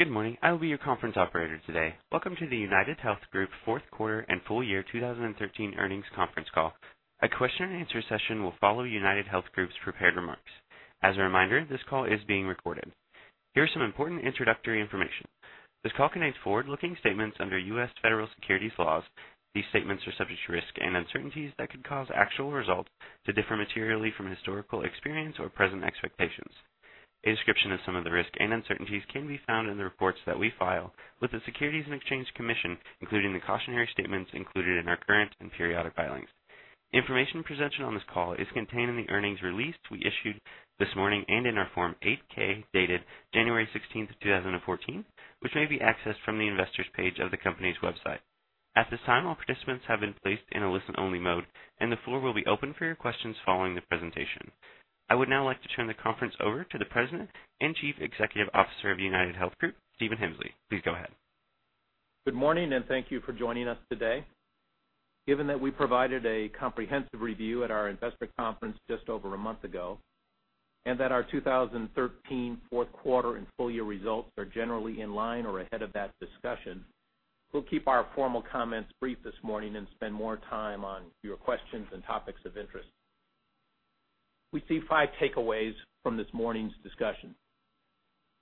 Good morning. I will be your conference operator today. Welcome to the UnitedHealth Group fourth quarter and full year 2013 earnings conference call. A question and answer session will follow UnitedHealth Group's prepared remarks. As a reminder, this call is being recorded. Here are some important introductory information. This call contains forward-looking statements under U.S. federal securities laws. These statements are subject to risk and uncertainties that could cause actual results to differ materially from historical experience or present expectations. A description of some of the risks and uncertainties can be found in the reports that we file with the Securities and Exchange Commission, including the cautionary statements included in our current and periodic filings. Information presented on this call is contained in the earnings release we issued this morning and in our Form 8-K, dated January 16, 2014, which may be accessed from the investors page of the company's website. At this time, all participants have been placed in a listen-only mode, and the floor will be open for your questions following the presentation. I would now like to turn the conference over to the President and Chief Executive Officer of UnitedHealth Group, Stephen Hemsley. Please go ahead. Good morning. Thank you for joining us today. Given that we provided a comprehensive review at our investor conference just over a month ago, and that our 2013 fourth quarter and full-year results are generally in line or ahead of that discussion, we'll keep our formal comments brief this morning and spend more time on your questions and topics of interest. We see five takeaways from this morning's discussion.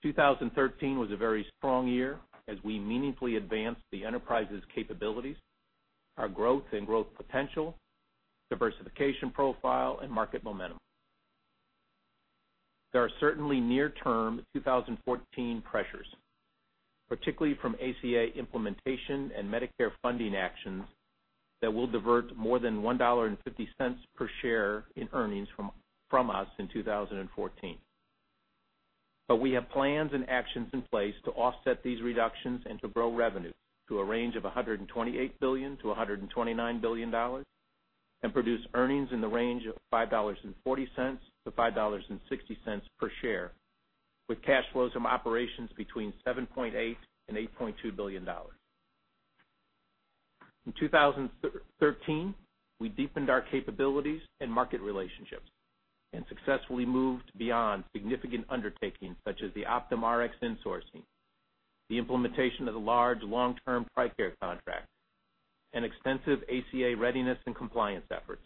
2013 was a very strong year as we meaningfully advanced the enterprise's capabilities, our growth and growth potential, diversification profile, and market momentum. There are certainly near-term 2014 pressures, particularly from ACA implementation and Medicare funding actions that will divert more than $1.50 per share in earnings from us in 2014. We have plans and actions in place to offset these reductions and to grow revenue to a range of $128 billion-$129 billion and produce earnings in the range of $5.40-$5.60 per share, with cash flows from operations between $7.8 billion and $8.2 billion. In 2013, we deepened our capabilities and market relationships and successfully moved beyond significant undertakings such as the Optum Rx insourcing, the implementation of the large long-term TRICARE contract, and extensive ACA readiness and compliance efforts.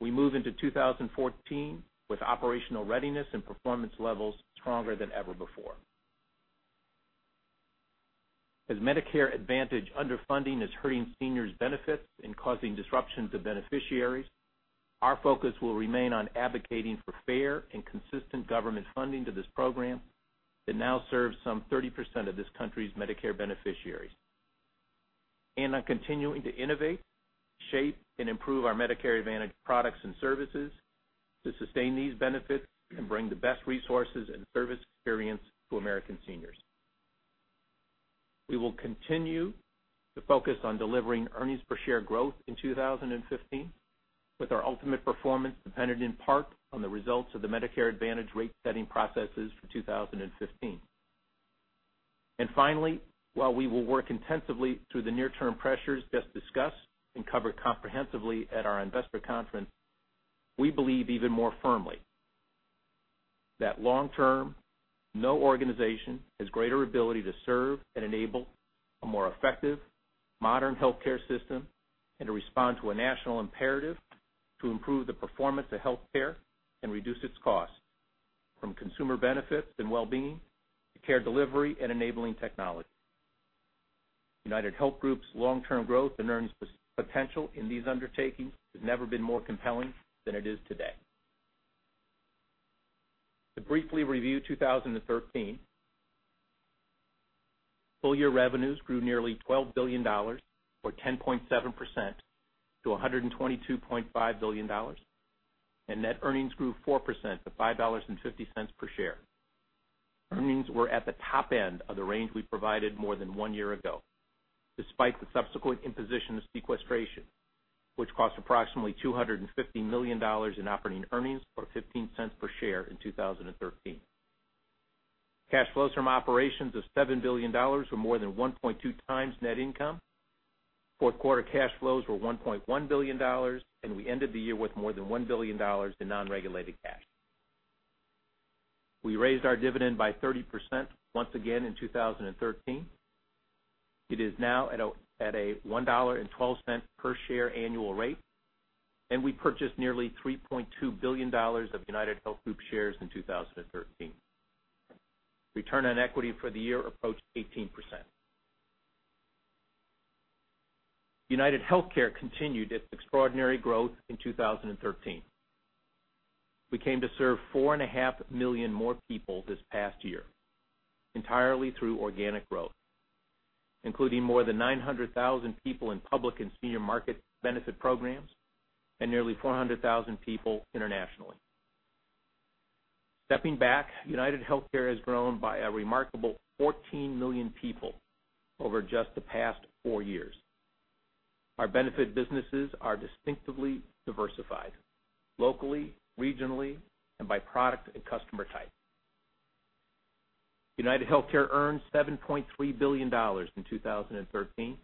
We move into 2014 with operational readiness and performance levels stronger than ever before. As Medicare Advantage underfunding is hurting seniors' benefits and causing disruptions of beneficiaries, our focus will remain on advocating for fair and consistent government funding to this program that now serves some 30% of this country's Medicare beneficiaries. On continuing to innovate, shape and improve our Medicare Advantage products and services to sustain these benefits and bring the best resources and service experience to American seniors. We will continue to focus on delivering earnings per share growth in 2015, with our ultimate performance dependent in part on the results of the Medicare Advantage rate-setting processes for 2015. Finally, while we will work intensively through the near-term pressures just discussed and covered comprehensively at our investor conference, we believe even more firmly that long term, no organization has greater ability to serve and enable a more effective modern healthcare system and to respond to a national imperative to improve the performance of healthcare and reduce its cost from consumer benefits and wellbeing to care delivery and enabling technology. UnitedHealth Group's long-term growth and earnings potential in these undertakings has never been more compelling than it is today. To briefly review 2013, full-year revenues grew nearly $12 billion or 10.7% to $122.5 billion, and net earnings grew 4% to $5.50 per share. Earnings were at the top end of the range we provided more than one year ago, despite the subsequent imposition of sequestration, which cost approximately $250 million in operating earnings, or $0.15 per share in 2013. Cash flows from operations of $7 billion were more than 1.2 times net income. Fourth quarter cash flows were $1.1 billion, and we ended the year with more than $1 billion in non-regulated cash. We raised our dividend by 30% once again in 2013. It is now at a $1.12 per share annual rate, and we purchased nearly $3.2 billion of UnitedHealth Group shares in 2013. Return on equity for the year approached 18%. UnitedHealthcare continued its extraordinary growth in 2013. We came to serve 4.5 million more people this past year, entirely through organic growth, including more than 900,000 people in public and senior market benefit programs and nearly 400,000 people internationally. Stepping back, UnitedHealthcare has grown by a remarkable 14 million people over just the past four years. Our benefit businesses are distinctively diversified locally, regionally, and by product and customer type. UnitedHealthcare earned $7.3 billion in 2013.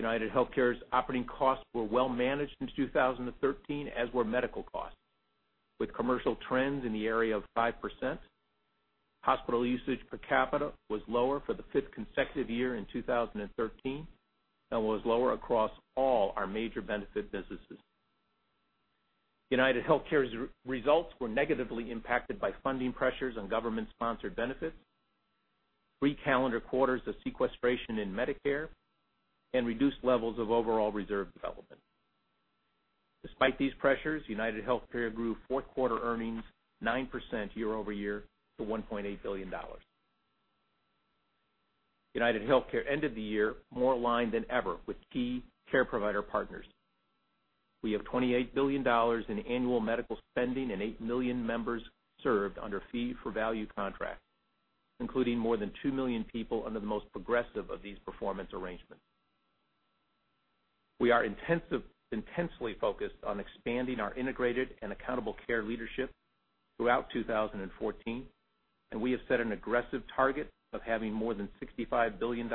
UnitedHealthcare's operating costs were well managed in 2013, as were medical costs, with commercial trends in the area of 5%. Hospital usage per capita was lower for the fifth consecutive year in 2013 and was lower across all our major benefit businesses. UnitedHealthcare's results were negatively impacted by funding pressures on government-sponsored benefits, three calendar quarters of sequestration in Medicare, and reduced levels of overall reserve development. Despite these pressures, UnitedHealthcare grew fourth quarter earnings 9% year-over-year to $1.8 billion. UnitedHealthcare ended the year more aligned than ever with key care provider partners. We have $28 billion in annual medical spending and 8 million members served under fee-for-value contracts, including more than 2 million people under the most progressive of these performance arrangements. We are intensely focused on expanding our integrated and accountable care leadership throughout 2014, and we have set an aggressive target of having more than $65 billion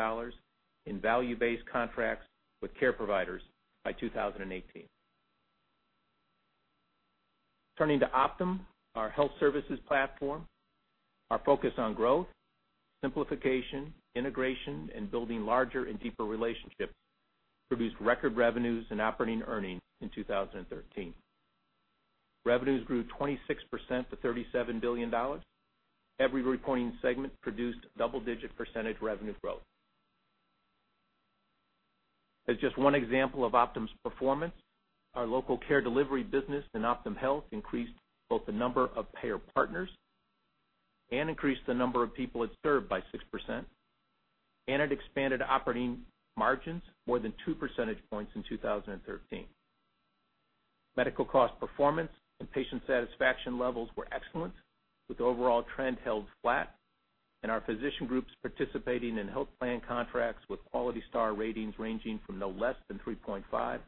in value-based contracts with care providers by 2018. Turning to Optum, our health services platform. Our focus on growth, simplification, integration, and building larger and deeper relationships produced record revenues and operating earnings in 2013. Revenues grew 26% to $37 billion. Every reporting segment produced double-digit percentage revenue growth. As just one example of Optum's performance, our local care delivery business in OptumHealth increased both the number of payer partners and increased the number of people it served by 6%, and it expanded operating margins more than two percentage points in 2013. Medical cost performance and patient satisfaction levels were excellent, with the overall trend held flat, and our physician groups participating in health plan contracts with quality star ratings ranging from no less than 3.5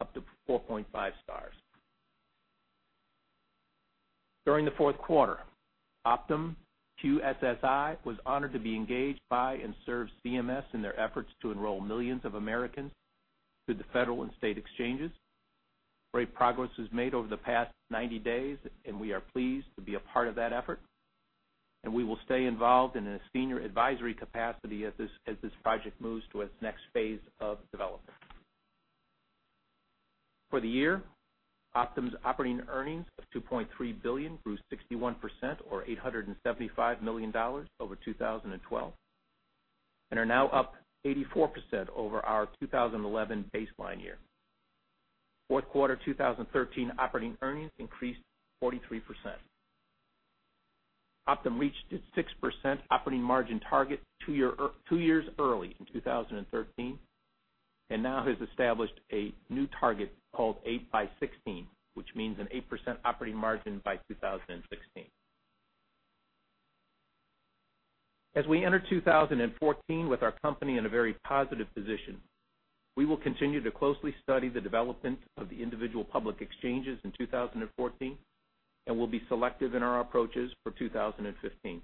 up to 4.5 stars. During the fourth quarter, Optum QSSI was honored to be engaged by and serve CMS in their efforts to enroll millions of Americans through the federal and state exchanges. Great progress was made over the past 90 days, and we are pleased to be a part of that effort, and we will stay involved in a senior advisory capacity as this project moves to its next phase of development. For the year, Optum's operating earnings of $2.3 billion grew 61%, or $875 million over 2012, and are now up 84% over our 2011 baseline year. Fourth quarter 2013 operating earnings increased 43%. Optum reached its 6% operating margin target two years early in 2013 and now has established a new target called Eight by '16, which means an 8% operating margin by 2016. We enter 2014 with our company in a very positive position, we will continue to closely study the development of the individual public exchanges in 2014 and will be selective in our approaches for 2015.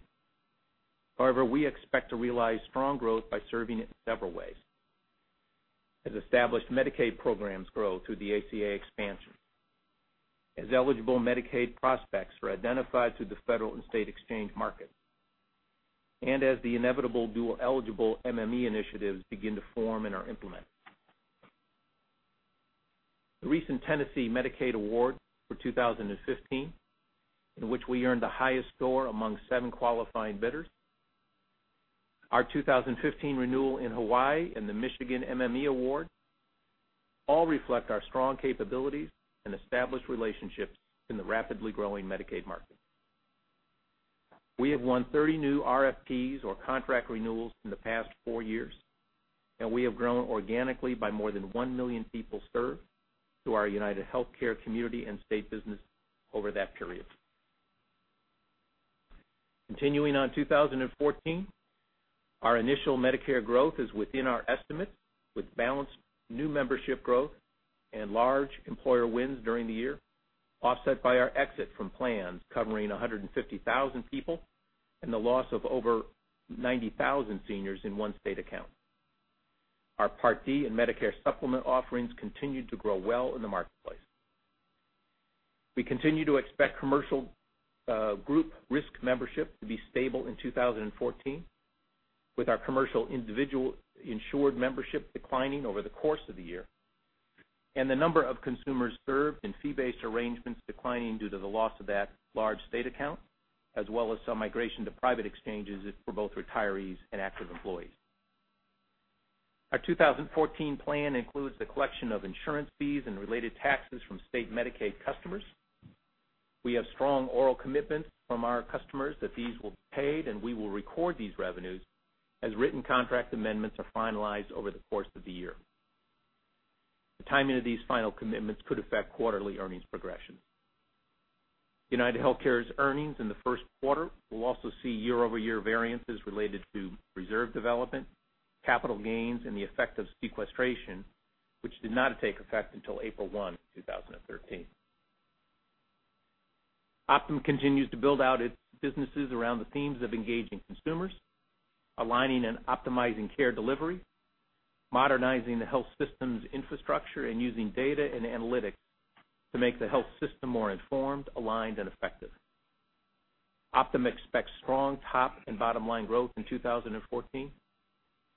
We expect to realize strong growth by serving it in several ways: as established Medicaid programs grow through the ACA expansion, as eligible Medicaid prospects are identified through the federal and state exchange market, and as the inevitable dual-eligible MMP initiatives begin to form and are implemented. The recent Tennessee Medicaid award for 2015, in which we earned the highest score among seven qualifying bidders, our 2015 renewal in Hawaii, and the Michigan MMP award all reflect our strong capabilities and established relationships in the rapidly growing Medicaid market. We have won 30 new RFPs or contract renewals in the past four years, and we have grown organically by more than one million people served through our UnitedHealthcare Community & State business over that period. Continuing on 2014, our initial Medicare growth is within our estimates, with balanced new membership growth and large employer wins during the year, offset by our exit from plans covering 150,000 people and the loss of over 90,000 seniors in one state account. Our Part D and Medicare supplement offerings continued to grow well in the marketplace. We continue to expect commercial group risk membership to be stable in 2014, with our commercial individual insured membership declining over the course of the year and the number of consumers served in fee-based arrangements declining due to the loss of that large state account, as well as some migration to private exchanges for both retirees and active employees. Our 2014 plan includes the collection of insurance fees and related taxes from state Medicaid customers. We have strong oral commitments from our customers that these will be paid. We will record these revenues as written contract amendments are finalized over the course of the year. The timing of these final commitments could affect quarterly earnings progression. UnitedHealthcare's earnings in the first quarter will also see year-over-year variances related to reserve development, capital gains, and the effect of sequestration, which did not take effect until April 1, 2013. Optum continues to build out its businesses around the themes of engaging consumers, aligning and optimizing care delivery, modernizing the health systems infrastructure, and using data and analytics to make the health system more informed, aligned, and effective. Optum expects strong top and bottom-line growth in 2014,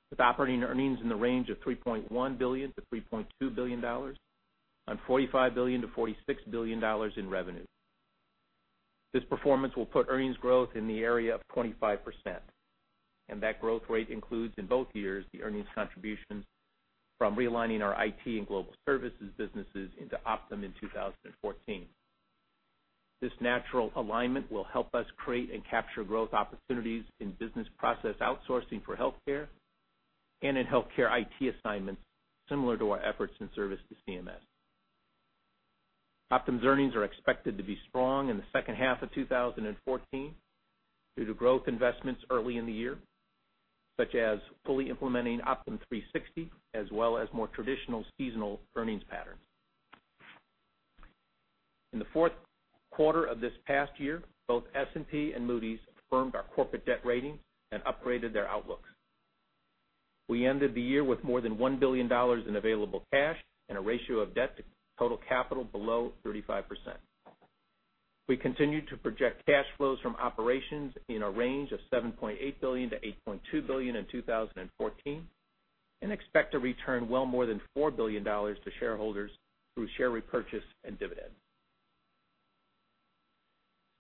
with operating earnings in the range of $3.1 billion-$3.2 billion on $45 billion-$46 billion in revenue. This performance will put earnings growth in the area of 25%. That growth rate includes, in both years, the earnings contributions from realigning our IT and global services businesses into Optum in 2014. This natural alignment will help us create and capture growth opportunities in business process outsourcing for healthcare and in healthcare IT assignments similar to our efforts in service to CMS. Optum's earnings are expected to be strong in the second half of 2014 due to growth investments early in the year, such as fully implementing Optum360, as well as more traditional seasonal earnings patterns. In the fourth quarter of this past year, both S&P and Moody's affirmed our corporate debt rating and upgraded their outlooks. We ended the year with more than $1 billion in available cash and a ratio of debt to total capital below 35%. We continue to project cash flows from operations in a range of $7.8 billion-$8.2 billion in 2014. We expect to return well more than $4 billion to shareholders through share repurchase and dividends.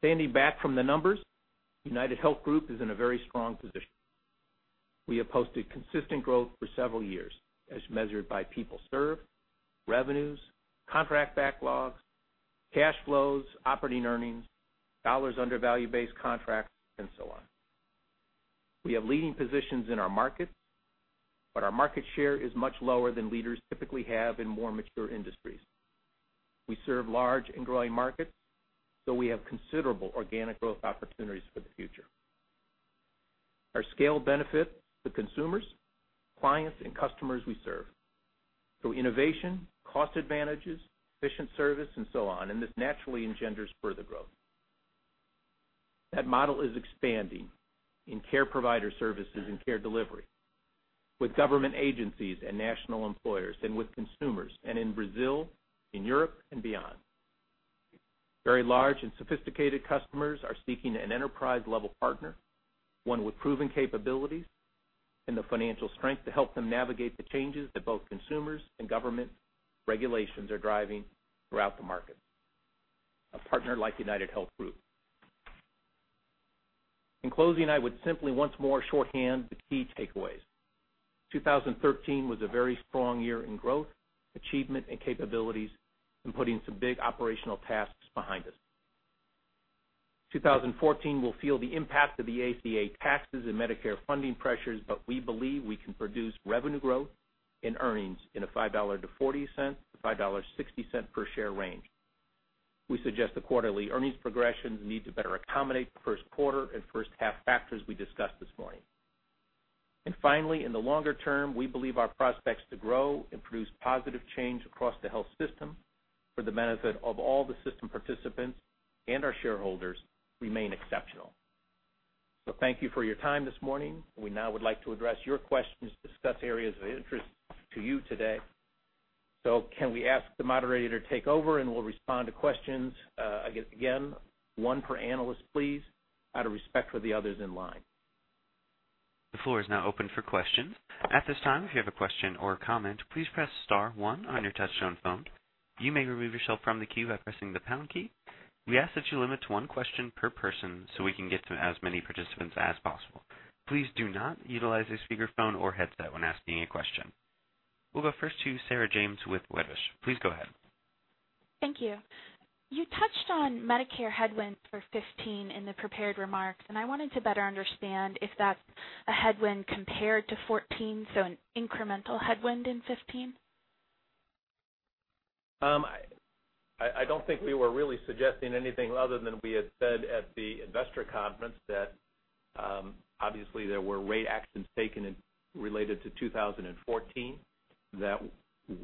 Standing back from the numbers, UnitedHealth Group is in a very strong position. We have posted consistent growth for several years as measured by people served, revenues, contract backlogs, cash flows, operating earnings, dollars under value-based contracts, and so on. Our market share is much lower than leaders typically have in more mature industries. We serve large and growing markets. We have considerable organic growth opportunities for the future. Our scale benefits the consumers, clients, and customers we serve through innovation, cost advantages, efficient service, and so on. This naturally engenders further growth. That model is expanding in care provider services and care delivery with government agencies and national employers and with consumers and in Brazil, in Europe, and beyond. Very large and sophisticated customers are seeking an enterprise-level partner, one with proven capabilities and the financial strength to help them navigate the changes that both consumers and government regulations are driving throughout the market. A partner like UnitedHealth Group. In closing, I would simply once more shorthand the key takeaways. 2013 was a very strong year in growth, achievement, and capabilities in putting some big operational tasks behind us. 2014 will feel the impact of the ACA taxes and Medicare funding pressures. We believe we can produce revenue growth in earnings in a $5.40-$5.60 per share range. We suggest the quarterly earnings progressions need to better accommodate the first quarter and first half factors we discussed this morning. Finally, in the longer term, we believe our prospects to grow and produce positive change across the health system for the benefit of all the system participants and our shareholders remain exceptional. Thank you for your time this morning. We now would like to address your questions, discuss areas of interest to you today. Can we ask the moderator to take over and we'll respond to questions? Again, one per analyst, please, out of respect for the others in line. The floor is now open for questions. At this time, if you have a question or a comment, please press star one on your touch-tone phone. You may remove yourself from the queue by pressing the pound key. We ask that you limit to one question per person so we can get to as many participants as possible. Please do not utilize a speakerphone or headset when asking a question. We'll go first to Sarah James with Wedbush. Please go ahead. Thank you. You touched on Medicare headwinds for 2015 in the prepared remarks. I wanted to better understand if that's a headwind compared to 2014, an incremental headwind in 2015? I don't think we were really suggesting anything other than we had said at the investor conference that obviously there were rate actions taken related to 2014 that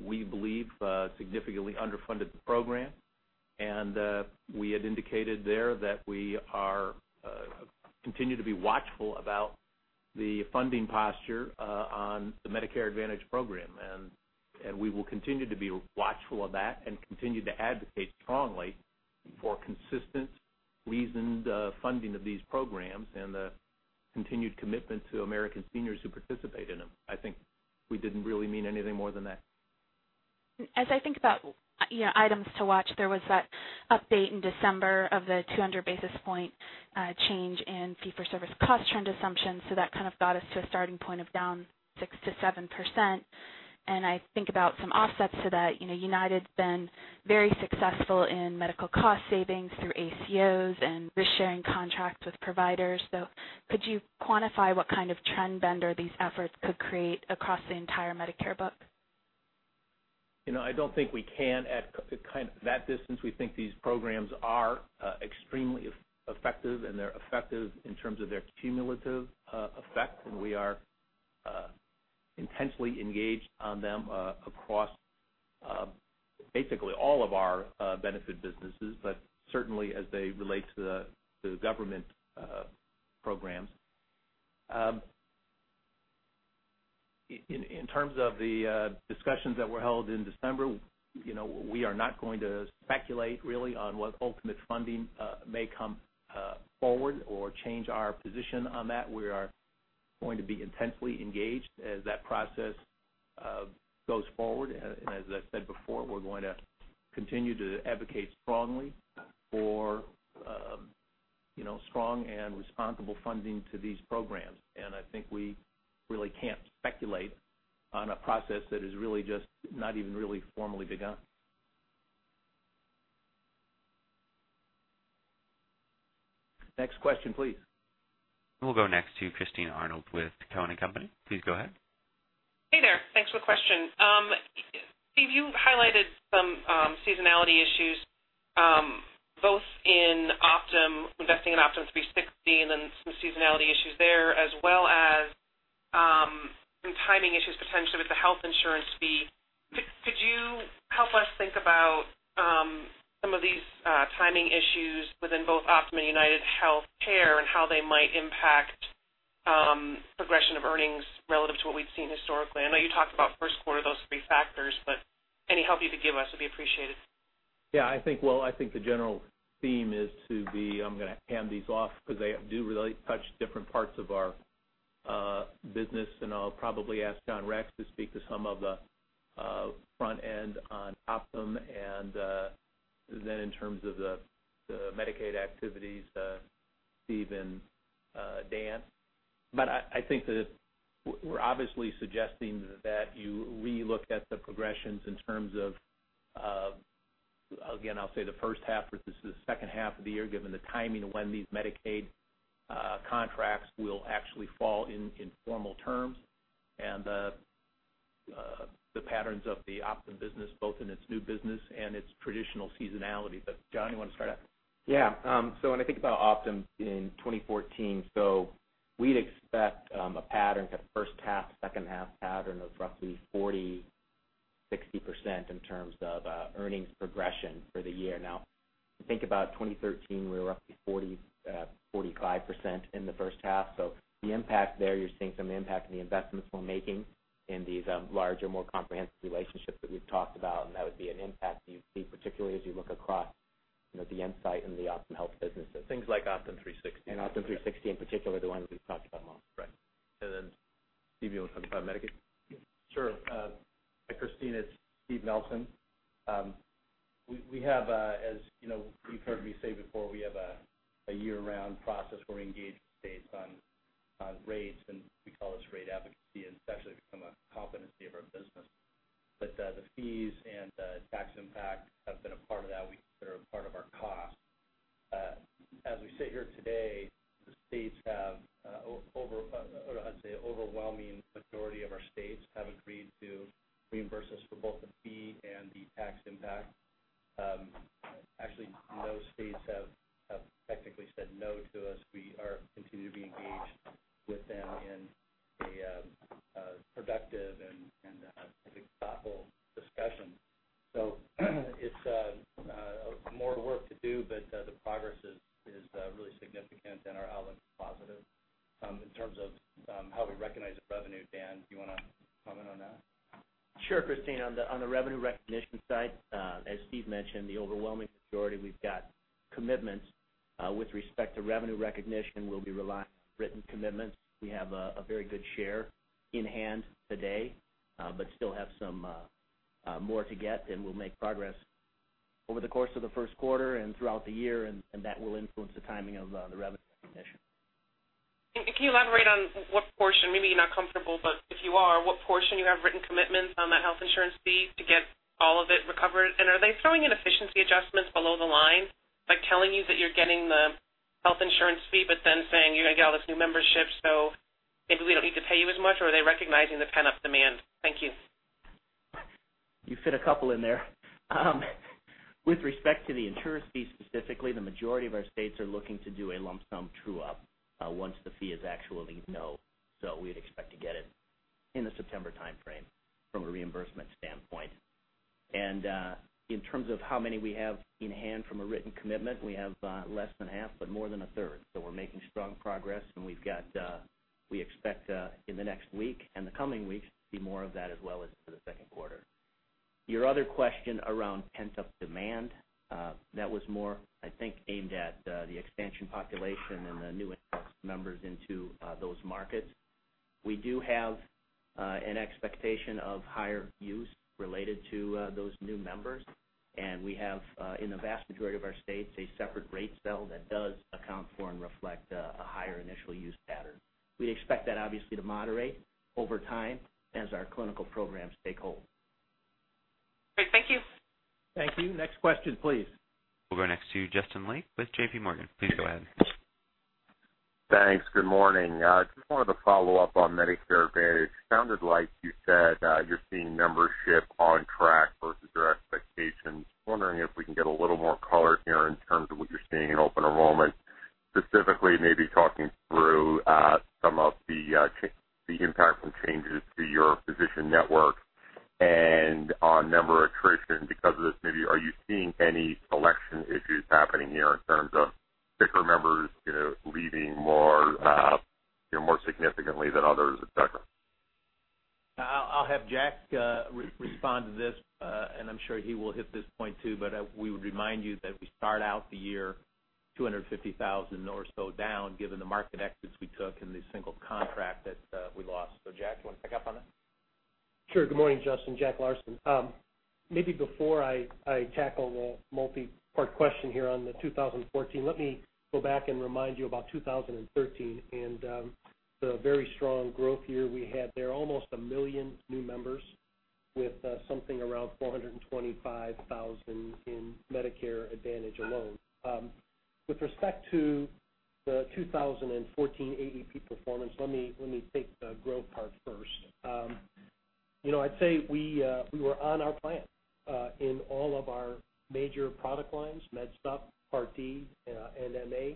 we believe significantly underfunded the program. We had indicated there that we continue to be watchful about the funding posture on the Medicare Advantage program. We will continue to be watchful of that and continue to advocate strongly for consistent reasoned funding of these programs and the continued commitment to American seniors who participate in them. I think we didn't really mean anything more than that. As I think about items to watch, there was that update in December of the 200 basis point change in fee-for-service cost trend assumptions. That kind of got us to a starting point of down 6%-7%. I think about some offsets to that. United's been very successful in medical cost savings through ACOs and risk-sharing contracts with providers. Could you quantify what kind of trend bender these efforts could create across the entire Medicare book? I don't think we can at that distance. We think these programs are extremely effective, and they're effective in terms of their cumulative effect, and we are intensely engaged on them across Basically all of our benefit businesses, but certainly as they relate to the government programs. In terms of the discussions that were held in December, we are not going to speculate really on what ultimate funding may come forward or change our position on that. We are going to be intensely engaged as that process goes forward. As I said before, we're going to continue to advocate strongly for strong and responsible funding to these programs. I think I really can't speculate on a process that is really just not even really formally begun. Next question, please. We'll go next to Christine Arnold with Cowen and Company. Please go ahead. Hey there. Thanks for the question. Steve, you highlighted some seasonality issues, both in investing in Optum360 and then some seasonality issues there, as well as some timing issues potentially with the health insurance fee. Could you help us think about some of these timing issues within both Optum and UnitedHealthcare and how they might impact progression of earnings relative to what we've seen historically? I know you talked about first quarter, those three factors, any help you could give us would be appreciated. Yeah, I think the general theme is to be, I'm going to hand these off because they do really touch different parts of our business, and I'll probably ask John Rex to speak to some of the front end on Optum and then in terms of the Medicaid activities, Steve and Dan. I think that we're obviously suggesting that you re-look at the progressions in terms of, again, I'll say the first half versus the second half of the year, given the timing of when these Medicaid contracts will actually fall in formal terms and the patterns of the Optum business, both in its new business and its traditional seasonality. John, you want to start out? Yeah. When I think about Optum in 2014, we'd expect a pattern, a first half, second half pattern of roughly 40%-60% in terms of earnings progression for the year. Now, if you think about 2013, we were up to 40%-45% in the first half. The impact there, you're seeing some impact in the investments we're making in these larger, more comprehensive relationships that we've talked about, and that would be an impact you'd see particularly as you look across the Insight and the OptumHealth businesses. Things like Optum360. Optum360 in particular, the one we've talked about most. Right. Steve, you want to talk about Medicaid? Sure. Christine, it's Steve Nelson. As you've heard me say before, we have a year-round process where we engage the states on rates, we call this rate advocacy, and it's actually become a competency of our business. The fees and the tax impact have been a part of that. They're a part of our cost. As we sit here today, the states have, I'd say, overwhelming majority of our states have agreed to reimburse us for both the fee and the tax impact. Actually, no states have technically said no to us. We continue to be engaged with them in a productive and I think thoughtful discussion. It's more work to do, but the progress is really significant and our outlook is positive. In terms of how we recognize the revenue, Dan, do you want to comment on that? Sure, Christine. On the revenue recognition side, as Steve mentioned, the overwhelming majority, we've got commitments. With respect to revenue recognition, we'll be relying on written commitments. We have a very good share in hand today, but still have some more to get, we'll make progress over the course of the first quarter and throughout the year, and that will influence the timing of the revenue recognition. Can you elaborate on what portion, maybe you're not comfortable, but if you are, what portion you have written commitments on that health insurance fee to get all of it recovered? Are they throwing in efficiency adjustments below the line by telling you that you're getting the health insurance fee, but then saying you're going to get all this new membership, so maybe we don't need to pay you as much, or are they recognizing the pent-up demand? Thank you. You fit a couple in there. With respect to the insurance fee specifically, the majority of our states are looking to do a lump sum true-up once the fee is actually known. We'd expect to get it in the September timeframe from a reimbursement standpoint. In terms of how many we have in hand from a written commitment, we have less than half, but more than a third. We're making strong progress, and we expect in the next week and the coming weeks to see more of that as well as into the second quarter. Your other question around pent-up demand, that was more, I think, aimed at the expansion population and the new and past members into those markets. We do have an expectation of higher use related to those new members, and we have, in the vast majority of our states, a separate rate cell that does account for and reflect a higher initial use pattern. We'd expect that obviously to moderate over time as our clinical programs take hold. Great. Thank you. Thank you. Next question, please. We'll go next to Justin Lake with J.P. Morgan. Please go ahead. Thanks. Good morning. Just wanted to follow up on Medicare Advantage. Sounded like you said you're seeing membership on track versus I was wondering if we can get a little more color here in terms of what you're seeing in open enrollment, specifically maybe talking through some of the impact from changes to your physician network and on member attrition because of this. Maybe are you seeing any selection issues happening here in terms of sicker members leaving more significantly than others, et cetera? I'll have Jack respond to this, and I'm sure he will hit this point too, but we would remind you that we start out the year 250,000 or so down, given the market exits we took and the single contract that we lost. Jack, you want to pick up on that? Sure. Good morning, Justin. Jack Larsen. Maybe before I tackle the multi-part question here on the 2014, let me go back and remind you about 2013 and the very strong growth year we had there. Almost a million new members with something around 425,000 in Medicare Advantage alone. With respect to the 2014 AEP performance, let me take the growth part first. I'd say we were on our plan in all of our major product lines, Med Supp, Part D, and MA.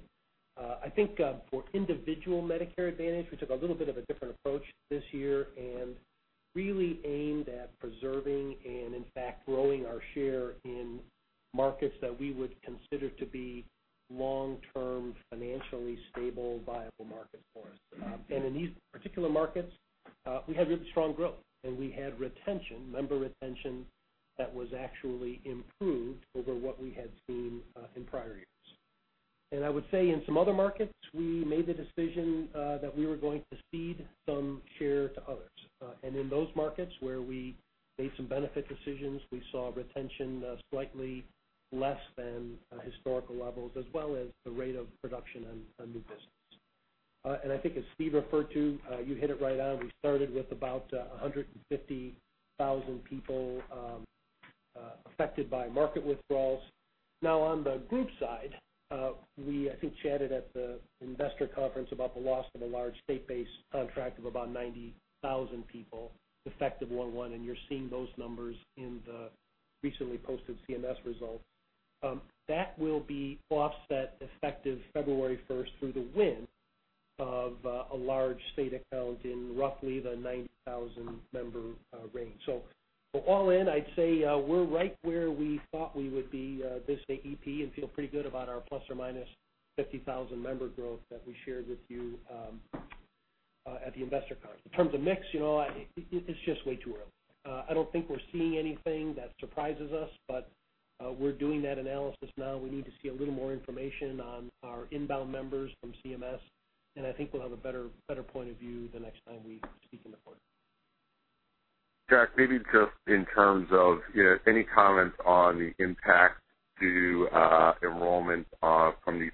I think for individual Medicare Advantage, we took a little bit of a different approach this year and really aimed at preserving and in fact, growing our share in markets that we would consider to be long-term, financially stable, viable markets for us. In these particular markets, we had really strong growth, we had member retention that was actually improved over what we had seen in prior years. I would say in some other markets, we made the decision that we were going to cede some share to others. In those markets where we made some benefit decisions, we saw retention slightly less than historical levels, as well as the rate of production on new business. I think as Steve referred to, you hit it right on. We started with about 150,000 people affected by market withdrawals. Now, on the group side, we, I think, chatted at the investor conference about the loss of a large state-based contract of about 90,000 people effective 1/1, and you're seeing those numbers in the recently posted CMS results. That will be offset effective February 1st through the win of a large state account in roughly the 90,000 member range. All in, I'd say we're right where we thought we would be this AEP and feel pretty good about our ±50,000 member growth that we shared with you at the investor conference. In terms of mix, it's just way too early. I don't think we're seeing anything that surprises us, but we're doing that analysis now. We need to see a little more information on our inbound members from CMS, I think we'll have a better point of view the next time we speak on the quarter. Jack, maybe just in terms of any comments on the impact to enrollment from the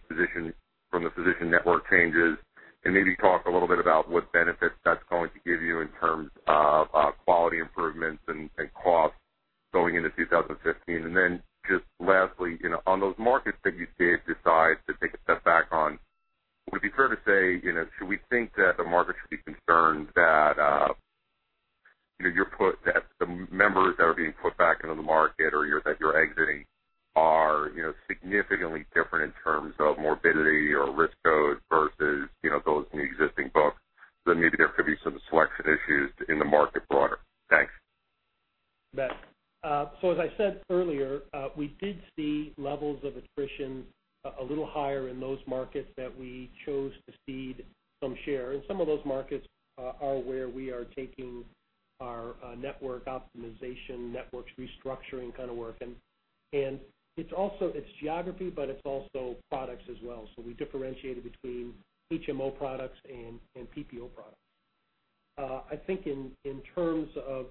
physician network changes, maybe talk a little bit about what benefits that's going to give you in terms of quality improvements and cost going into 2015. Just lastly, on those markets that you did decide to take a step back on, would it be fair to say, should we think that the market should be concerned that the members that are being put back into the market or that you're exiting are significantly different in terms of morbidity or risk code versus those in the existing books? Maybe there could be some selection issues in the market broader. Thanks. As I said earlier, we did see levels of attrition a little higher in those markets that we chose to cede some share. Some of those markets are where we are taking our network optimization, networks restructuring kind of work. It's geography, but it's also products as well. We differentiated between HMO products and PPO products. I think in terms of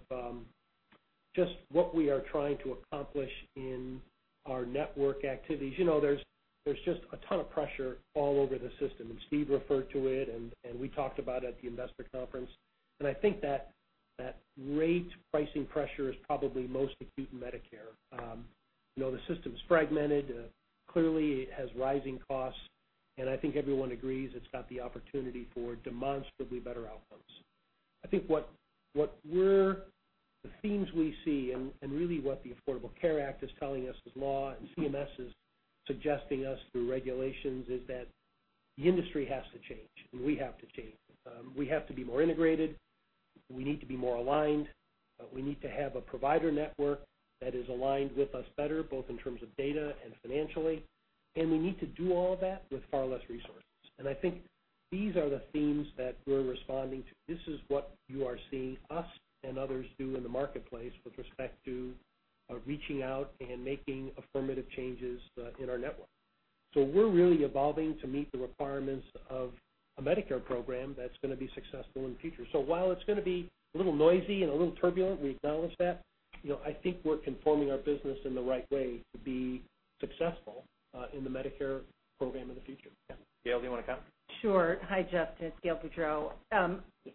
just what we are trying to accomplish in our network activities, there's just a ton of pressure all over the system, Steve referred to it, we talked about it at the investor conference. I think that rate pricing pressure is probably most acute in Medicare. The system's fragmented, clearly it has rising costs, I think everyone agrees it's got the opportunity for demonstrably better outcomes. I think the themes we see, really what the Affordable Care Act is telling us as law and CMS is suggesting us through regulations is that the industry has to change, we have to change. We have to be more integrated. We need to be more aligned. We need to have a provider network that is aligned with us better, both in terms of data and financially. We need to do all of that with far less resources. I think these are the themes that we're responding to. This is what you are seeing us and others do in the marketplace with respect to reaching out and making affirmative changes in our network. We're really evolving to meet the requirements of a Medicare program that's going to be successful in the future. While it's going to be a little noisy and a little turbulent, we acknowledge that. I think we're conforming our business in the right way to be successful in the Medicare program in the future. Gail, do you want to comment? Sure. Hi, Justin. It's Gail Boudreaux.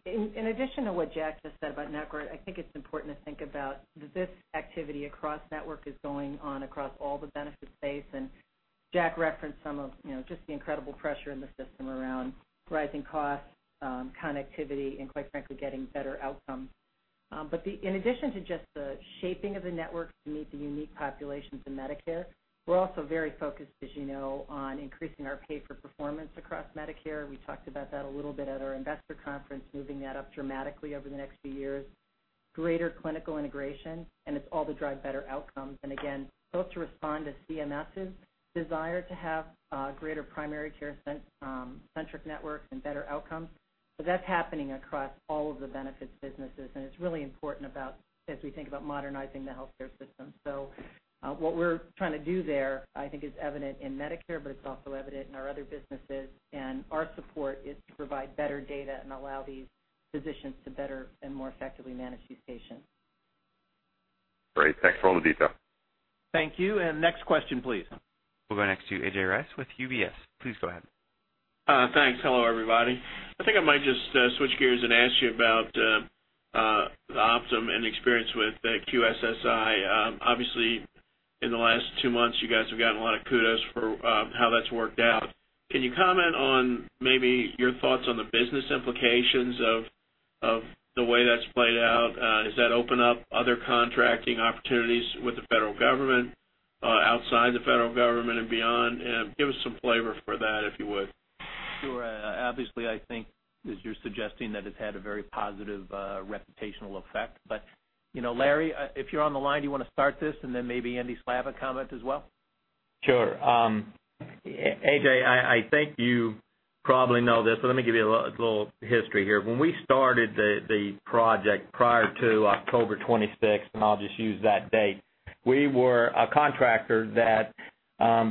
In addition to what Jack just said about network, I think it's important to think about this activity across network is going on across all the benefit space and Jack referenced some of just the incredible pressure in the system around rising costs, connectivity, and quite frankly, getting better outcomes. In addition to just the shaping of the network to meet the unique populations in Medicare, we're also very focused, as you know, on increasing our pay for performance across Medicare. We talked about that a little bit at our investor conference, moving that up dramatically over the next few years. Greater clinical integration, and it's all to drive better outcomes. Again, both to respond to CMS's desire to have greater primary care-centric networks and better outcomes. That's happening across all of the benefits businesses, and it's really important as we think about modernizing the healthcare system. What we're trying to do there, I think, is evident in Medicare, but it's also evident in our other businesses. Our support is to provide better data and allow these physicians to better and more effectively manage these patients. Great. Thanks for all the detail. Thank you. Next question, please. We'll go next to A.J. Rice with UBS. Please go ahead. Thanks. Hello, everybody. I think I might just switch gears and ask you about Optum and experience with QSSI. Obviously, in the last two months, you guys have gotten a lot of kudos for how that's worked out. Can you comment on maybe your thoughts on the business implications of the way that's played out? Does that open up other contracting opportunities with the federal government, outside the federal government, and beyond? Give us some flavor for that, if you would. Sure. Obviously, I think as you're suggesting, that it's had a very positive reputational effect. Larry, if you're on the line, do you want to start this, and then maybe Andy Slavitt comment as well? Sure. A.J., I think you probably know this, but let me give you a little history here. When we started the project prior to October 26th, and I'll just use that date, we were a contractor that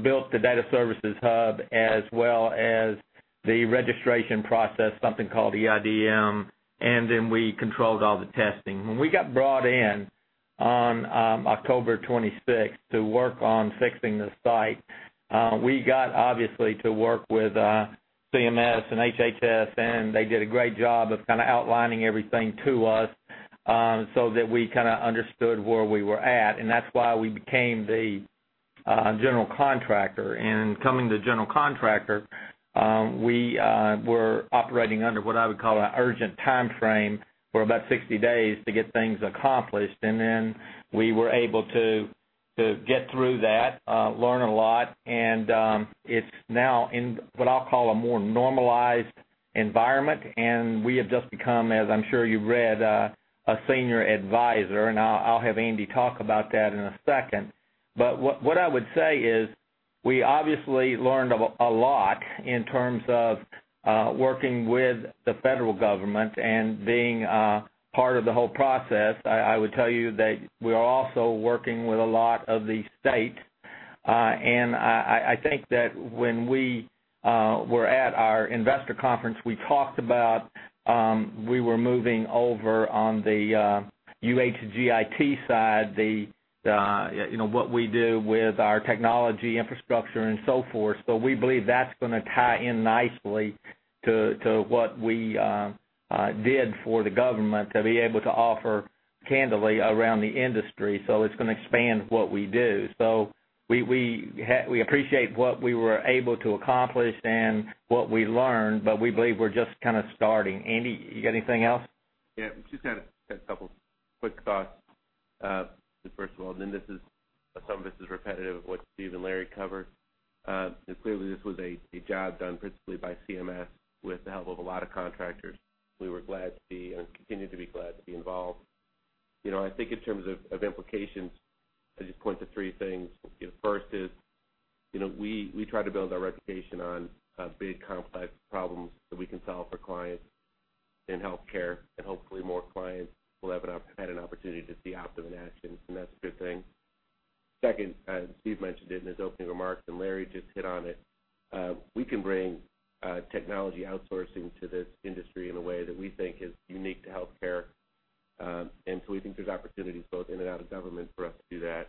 built the data services hub as well as the registration process, something called EIDM, then we controlled all the testing. When we got brought in on October 26th to work on fixing the site, we got, obviously, to work with CMS and HHS, and they did a great job of outlining everything to us, so that we understood where we were at. That's why we became the general contractor. Becoming the general contractor, we were operating under what I would call an urgent timeframe for about 60 days to get things accomplished. We were able to get through that, learn a lot, and it's now in what I'll call a more normalized environment, and we have just become, as I'm sure you've read, a senior advisor. I'll have Andy talk about that in a second. What I would say is we obviously learned a lot in terms of working with the federal government and being a part of the whole process. I would tell you that we are also working with a lot of the state. I think that when we were at our investor conference, we talked about we were moving over on the UHG IT side, what we do with our technology infrastructure and so forth. We believe that's going to tie in nicely to what we did for the government to be able to offer candidly around the industry. It's going to expand what we do. We appreciate what we were able to accomplish and what we learned, but we believe we're just starting. Andy, you got anything else? Yeah. Just got a couple quick thoughts. First of all, some of this is repetitive of what Steve and Larry covered. Clearly, this was a job done principally by CMS with the help of a lot of contractors. We were glad to be, and continue to be glad to be involved. I think in terms of implications, I just point to three things. First is, we try to build our reputation on big, complex problems that we can solve for clients in healthcare. Hopefully, more clients will have had an opportunity to see Optum in action, and that's a good thing. Second, as Steve mentioned it in his opening remarks, Larry just hit on it, we can bring technology outsourcing to this industry in a way that we think is unique to healthcare. We think there's opportunities both in and out of government for us to do that.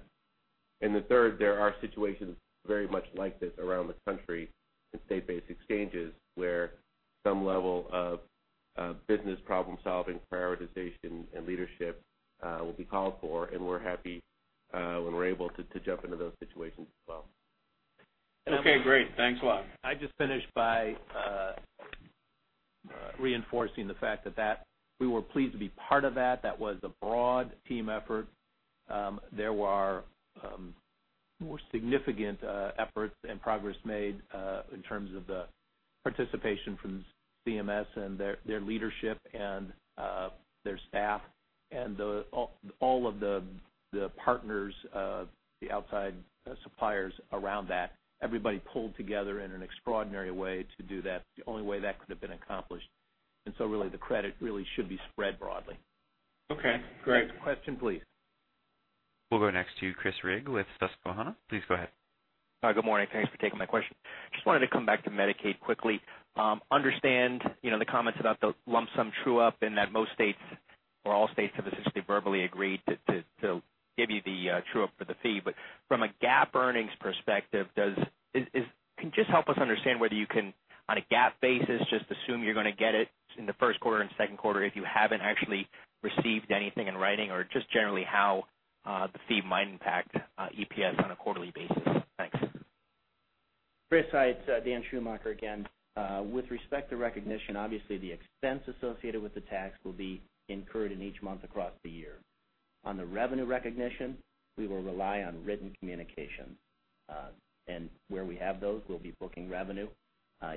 The third, there are situations very much like this around the country in state-based exchanges, where some level of business problem-solving, prioritization, and leadership will be called for, and we're happy when we're able to jump into those situations as well. Okay, great. Thanks a lot. I'd just finish by reinforcing the fact that we were pleased to be part of that. That was a broad team effort. There were more significant efforts and progress made, in terms of the participation from CMS and their leadership and their staff and all of the partners, the outside suppliers around that. Everybody pulled together in an extraordinary way to do that, the only way that could've been accomplished. Really, the credit really should be spread broadly. Okay, great. Next question, please. We'll go next to Chris Rigg with Susquehanna. Please go ahead. Good morning. Thanks for taking my question. Just wanted to come back to Medicaid quickly. Understand the comments about the lump sum true-up and that most states or all states have essentially verbally agreed to give you the true-up for the fee. From a GAAP earnings perspective, just help us understand whether you can On a GAAP basis, just assume you're going to get it in the first quarter and second quarter if you haven't actually received anything in writing? Just generally how the fee might impact EPS on a quarterly basis. Thanks. Chris, hi, it's Dan Schumacher again. With respect to recognition, obviously the expense associated with the tax will be incurred in each month across the year. On the revenue recognition, we will rely on written communication. Where we have those, we'll be booking revenue,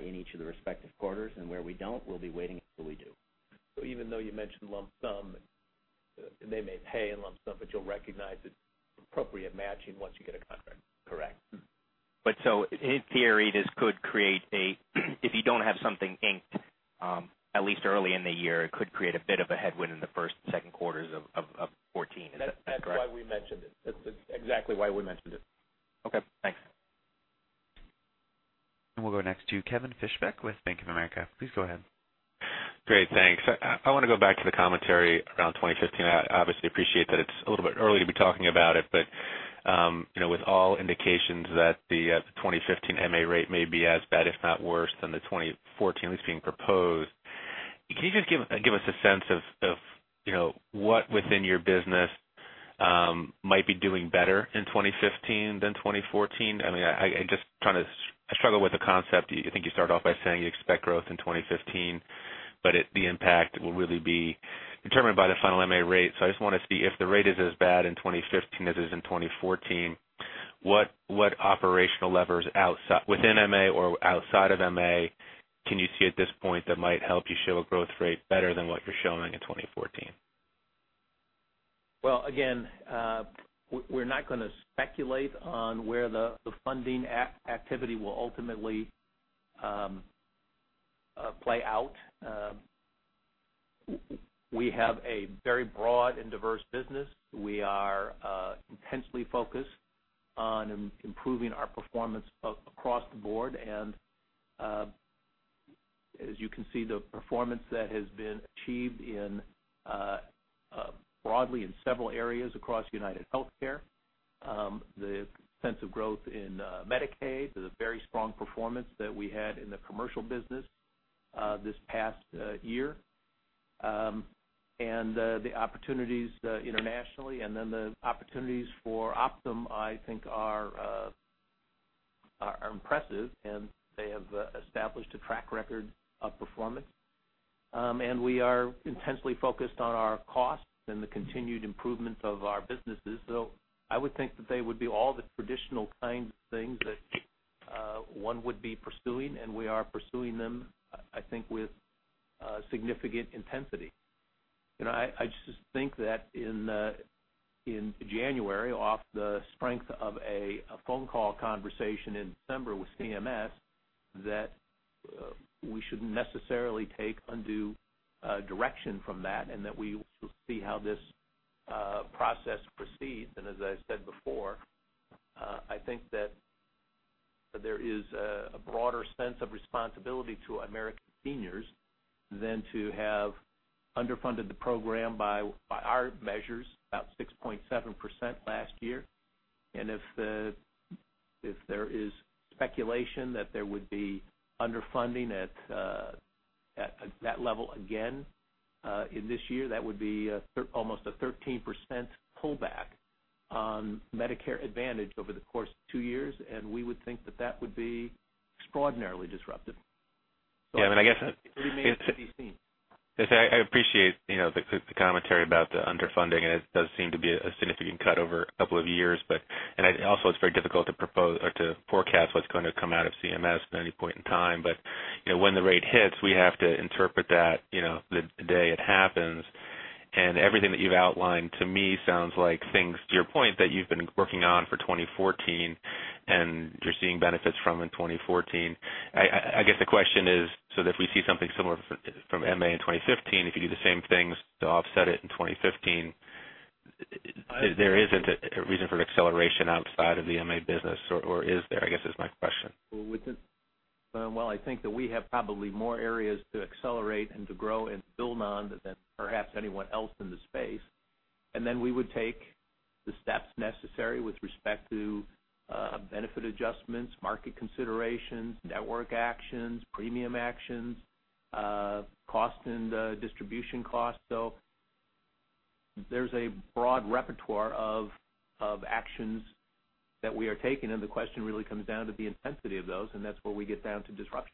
in each of the respective quarters. Where we don't, we'll be waiting until we do. Even though you mentioned lump sum, they may pay in lump sum, but you'll recognize it appropriate matching once you get a contract. Correct. In theory, this could create a, if you don't have something inked, at least early in the year, it could create a bit of a headwind in the first and second quarters of 2014, is that correct? That's why we mentioned it. That's exactly why we mentioned it. Okay, thanks. We'll go next to Kevin Fischbeck with Bank of America. Please go ahead. Great, thanks. I want to go back to the commentary around 2015. I obviously appreciate that it's a little bit early to be talking about it, but with all indications that the 2015 MA rate may be as bad if not worse than the 2014 at least being proposed, can you just give us a sense of what within your business might be doing better in 2015 than 2014? I struggle with the concept. I think you start off by saying you expect growth in 2015, but the impact will really be determined by the final MA rate. I just want to see if the rate is as bad in 2015 as it is in 2014, what operational levers within MA or outside of MA can you see at this point that might help you show a growth rate better than what you're showing in 2014? Well, again, we're not going to speculate on where the funding activity will ultimately play out. We have a very broad and diverse business. We are intensely focused on improving our performance across the board, and as you can see, the performance that has been achieved broadly in several areas across UnitedHealthcare. The sense of growth in Medicaid, the very strong performance that we had in the commercial business this past year. The opportunities internationally and then the opportunities for Optum I think are impressive, and they have established a track record of performance. We are intensely focused on our costs and the continued improvements of our businesses. I would think that they would be all the traditional kinds of things that one would be pursuing, and we are pursuing them, I think, with significant intensity. I just think that in January, off the strength of a phone call conversation in December with CMS, that we shouldn't necessarily take undue direction from that and that we will see how this process proceeds. As I said before, I think that there is a broader sense of responsibility to American seniors than to have underfunded the program by our measures about 6.7% last year. If there is speculation that there would be underfunding at that level again in this year, that would be almost a 13% pullback on Medicare Advantage over the course of two years, and we would think that that would be extraordinarily disruptive. Yeah. It remains to be seen. I appreciate the commentary about the underfunding, and it does seem to be a significant cut over a couple of years. Also it's very difficult to forecast what's going to come out of CMS at any point in time. When the rate hits, we have to interpret that the day it happens. Everything that you've outlined to me sounds like things, to your point, that you've been working on for 2014, and you're seeing benefits from in 2014. I guess the question is, so that if we see something similar from MA in 2015, if you do the same things to offset it in 2015, there isn't a reason for acceleration outside of the MA business, or is there, I guess is my question. Well, I think that we have probably more areas to accelerate and to grow and build on than perhaps anyone else in the space. Then we would take the steps necessary with respect to benefit adjustments, market considerations, network actions, premium actions, cost, and distribution cost. There's a broad repertoire of actions that we are taking, and the question really comes down to the intensity of those, and that's where we get down to disruption.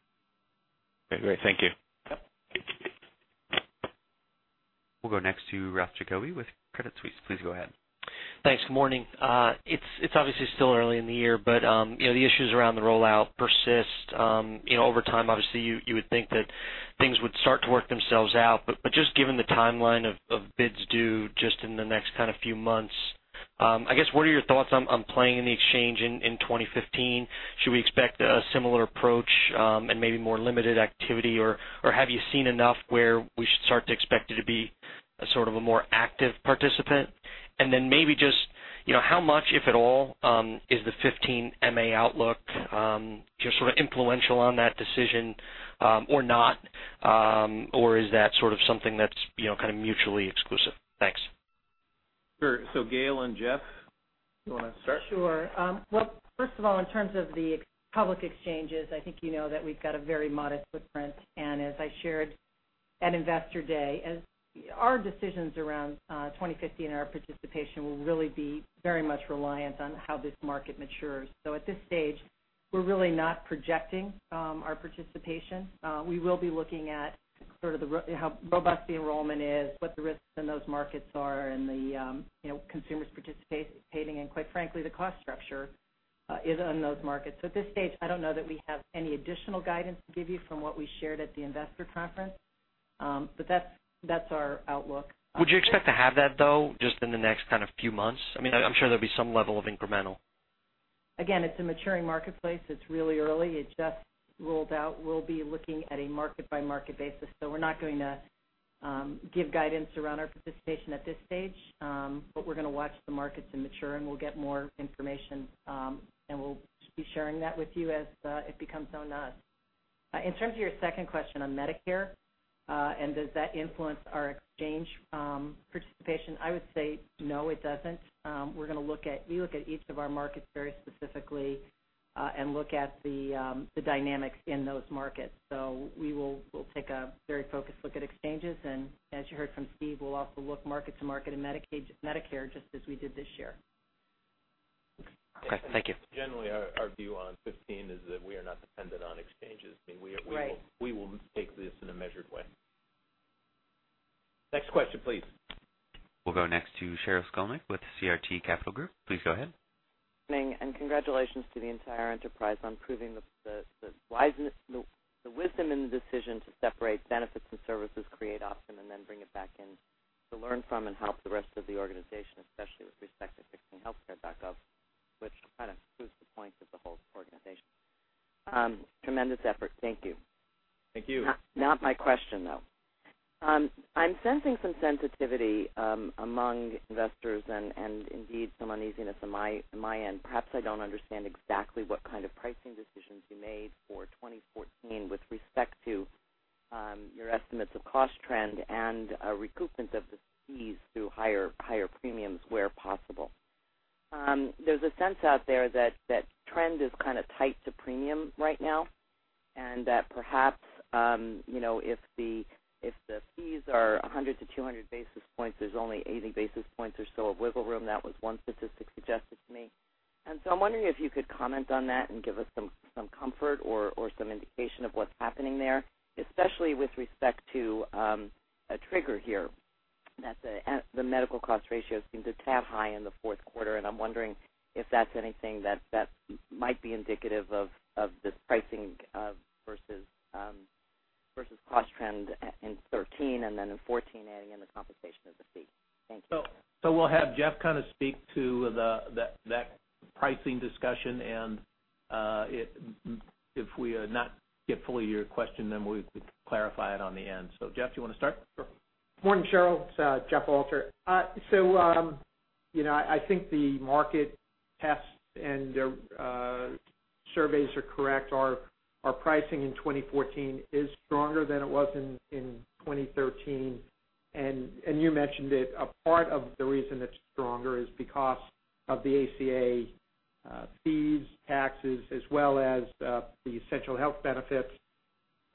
Okay, great. Thank you. Yep. We'll go next to Ralph Giacobbe with Credit Suisse. Please go ahead. Thanks. Morning. It's obviously still early in the year, the issues around the rollout persist. Over time, obviously, you would think that things would start to work themselves out. Just given the timeline of bids due just in the next few months, I guess, what are your thoughts on playing in the exchange in 2015? Should we expect a similar approach, and maybe more limited activity, or have you seen enough where we should start to expect you to be sort of a more active participant? Maybe just how much, if at all, is the 2015 MA outlook just sort of influential on that decision or not, or is that sort of something that's kind of mutually exclusive? Thanks. Sure. Gail and Jeff, you want to start? Sure. Well, first of all, in terms of the public exchanges, I think you know that we've got a very modest footprint. As I shared at Investor Day, our decisions around 2015, our participation will really be very much reliant on how this market matures. At this stage, we're really not projecting our participation. We will be looking at how robust the enrollment is, what the risks in those markets are, and the consumers participating, and quite frankly, the cost structure is in those markets. At this stage, I don't know that we have any additional guidance to give you from what we shared at the investor conference. That's our outlook. Would you expect to have that, though, just in the next few months? I'm sure there'll be some level of incremental. Again, it's a maturing marketplace. It's really early. It just rolled out. We'll be looking at a market-by-market basis. We're not going to give guidance around our participation at this stage. We're going to watch the markets mature, and we'll get more information, and we'll be sharing that with you as it becomes known to us. In terms of your second question on Medicare and does that influence our exchange participation, I would say no, it doesn't. We're going to look at each of our markets very specifically and look at the dynamics in those markets. We'll take a very focused look at exchanges, and as you heard from Steve, we'll also look market to market in Medicare, just as we did this year. Okay. Thank you. Generally, our view on 2015 is that we are not dependent on exchanges. Right. We will take this in a measured way. Next question, please. We'll go next to Sheryl Skolnick with CRT Capital Group. Please go ahead. Good morning, congratulations to the entire enterprise on proving the wisdom in the decision to separate benefits and services, create Optum, and then bring it back in to learn from and help the rest of the organization, especially with respect to fixing healthcare.gov, which kind of proves the point of the whole organization. Tremendous effort. Thank you. Thank you. Not my question, though. I'm sensing some sensitivity among investors and indeed some uneasiness on my end. Perhaps I don't understand exactly what kind of pricing decisions you made for 2014 with respect to your estimates of cost trend and recoupment of the fees through higher premiums where possible. There's a sense out there that trend is kind of tight to premium right now, and that perhaps if the fees are 100 to 200 basis points, there's only 80 basis points or so of wiggle room. That was one statistic suggested to me. I'm wondering if you could comment on that and give us some comfort or some indication of what's happening there, especially with respect to a trigger here, that the medical cost ratio seemed a tad high in the fourth quarter. I'm wondering if that's anything that might be indicative of this pricing versus cost trend in 2013, then in 2014 adding in the compensation of the fee. Thank you. We'll have Jeff kind of speak to that pricing discussion, and if we not get fully your question, then we could clarify it on the end. Jeff, you want to start? Sure. Morning, Sheryl. It's Jeff Alter. I think the market tests and their surveys are correct. Our pricing in 2014 is stronger than it was in 2013, you mentioned it. A part of the reason it's stronger is because of the ACA fees, taxes, as well as the essential health benefits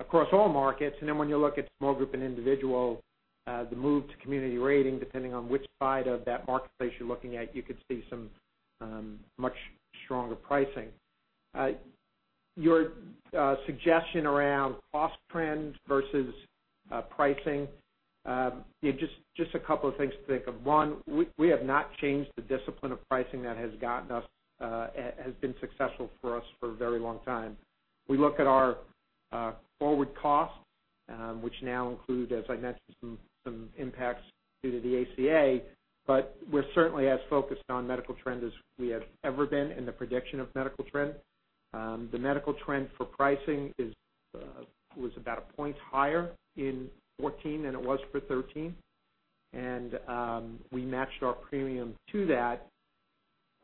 across all markets. When you look at small group and individual, the move to community rating, depending on which side of that marketplace you're looking at, you could see some much stronger pricing. Your suggestion around cost trends versus pricing, just a couple of things to think of. One, we have not changed the discipline of pricing that has been successful for us for a very long time. We look at our forward costs, which now include, as I mentioned, some impacts due to the ACA. We're certainly as focused on medical trend as we have ever been in the prediction of medical trend. The medical trend for pricing was about a point higher in 2014 than it was for 2013. We matched our premium to that.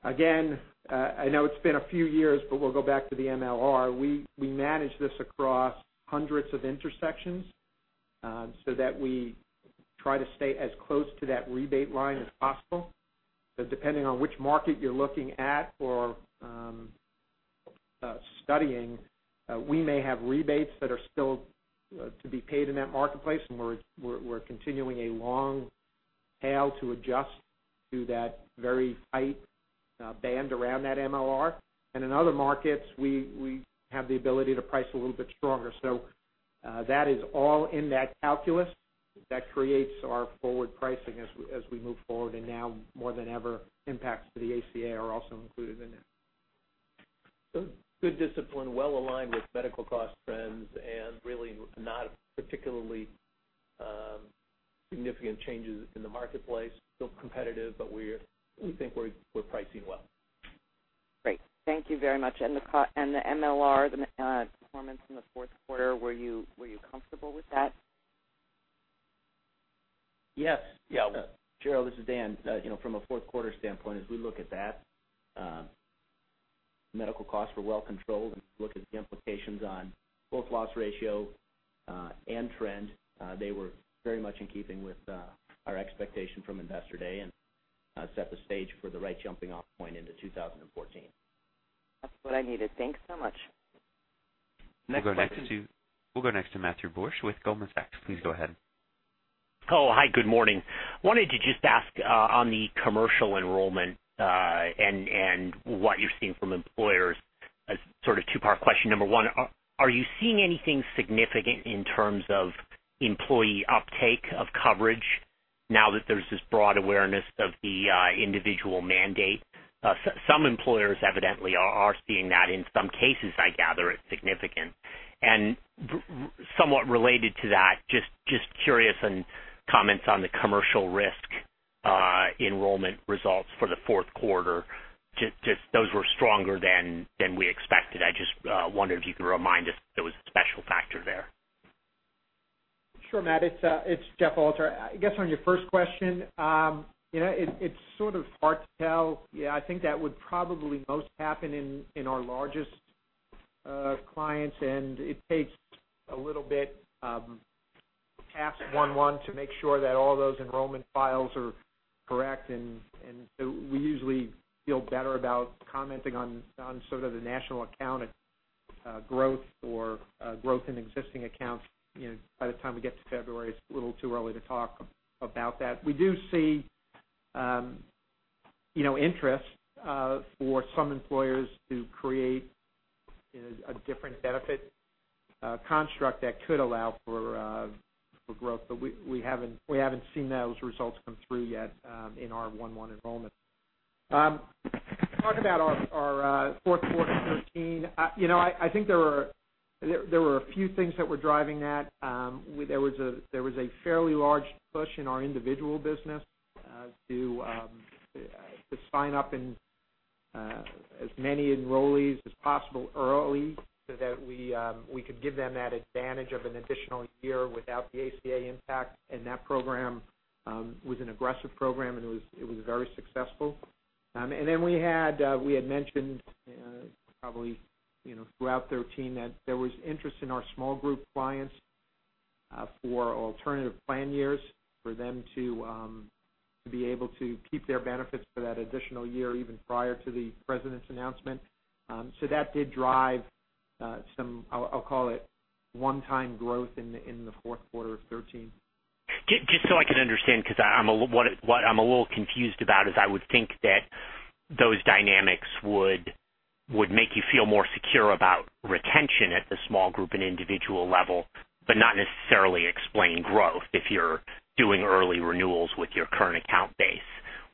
Again, I know it's been a few years, we'll go back to the MLR. We manage this across hundreds of intersections so that we try to stay as close to that rebate line as possible. Depending on which market you're looking at or studying, we may have rebates that are still to be paid in that marketplace, we're continuing a long tail to adjust to that very tight band around that MLR. In other markets, we have the ability to price a little bit stronger. That is all in that calculus that creates our forward pricing as we move forward, now more than ever, impacts to the ACA are also included in it. Good discipline, well-aligned with medical cost trends, really not particularly significant changes in the marketplace. Still competitive, we think we're pricing well. Thank you very much. The MLR, the performance in the fourth quarter, were you comfortable with that? Yes. Sheryl, this is Dan. From a fourth quarter standpoint, as we look at that Medical costs were well controlled, and if you look at the implications on both loss ratio and trend, they were very much in keeping with our expectation from Investor Day and set the stage for the right jumping-off point into 2014. That's what I needed. Thanks so much. Next question. We'll go next to Matthew Borsch with Goldman Sachs. Please go ahead. Oh, hi, good morning. Wanted to just ask on the commercial enrollment and what you're seeing from employers as sort of two-part question. Number one, are you seeing anything significant in terms of employee uptake of coverage now that there's this broad awareness of the individual mandate? Some employers evidently are seeing that. In some cases, I gather it's significant. Somewhat related to that, just curious on comments on the commercial risk enrollment results for the fourth quarter. Those were stronger than we expected. I just wondered if you could remind us there was a special factor there. Sure, Matt, it's Jeff Alter. I guess on your first question, it's sort of hard to tell. Yeah, I think that would probably most happen in our largest clients, and it takes a little bit past 1/1 to make sure that all those enrollment files are correct. We usually feel better about commenting on sort of the national account growth or growth in existing accounts by the time we get to February. It's a little too early to talk about that. We do see interest for some employers to create a different benefit construct that could allow for growth, we haven't seen those results come through yet in our 1/1 enrollment. Talk about our Q4 2013. I think there were a few things that were driving that. There was a fairly large push in our individual business to sign up as many enrollees as possible early so that we could give them that advantage of an additional year without the ACA impact, that program was an aggressive program, and it was very successful. We had mentioned probably throughout 2013 that there was interest in our small group clients for alternative plan years for them to be able to keep their benefits for that additional year, even prior to the president's announcement. That did drive some, I'll call it one-time growth in the fourth quarter of 2013. Just so I can understand, because what I'm a little confused about is I would think that those dynamics would make you feel more secure about retention at the small group and individual level, but not necessarily explain growth if you're doing early renewals with your current account base.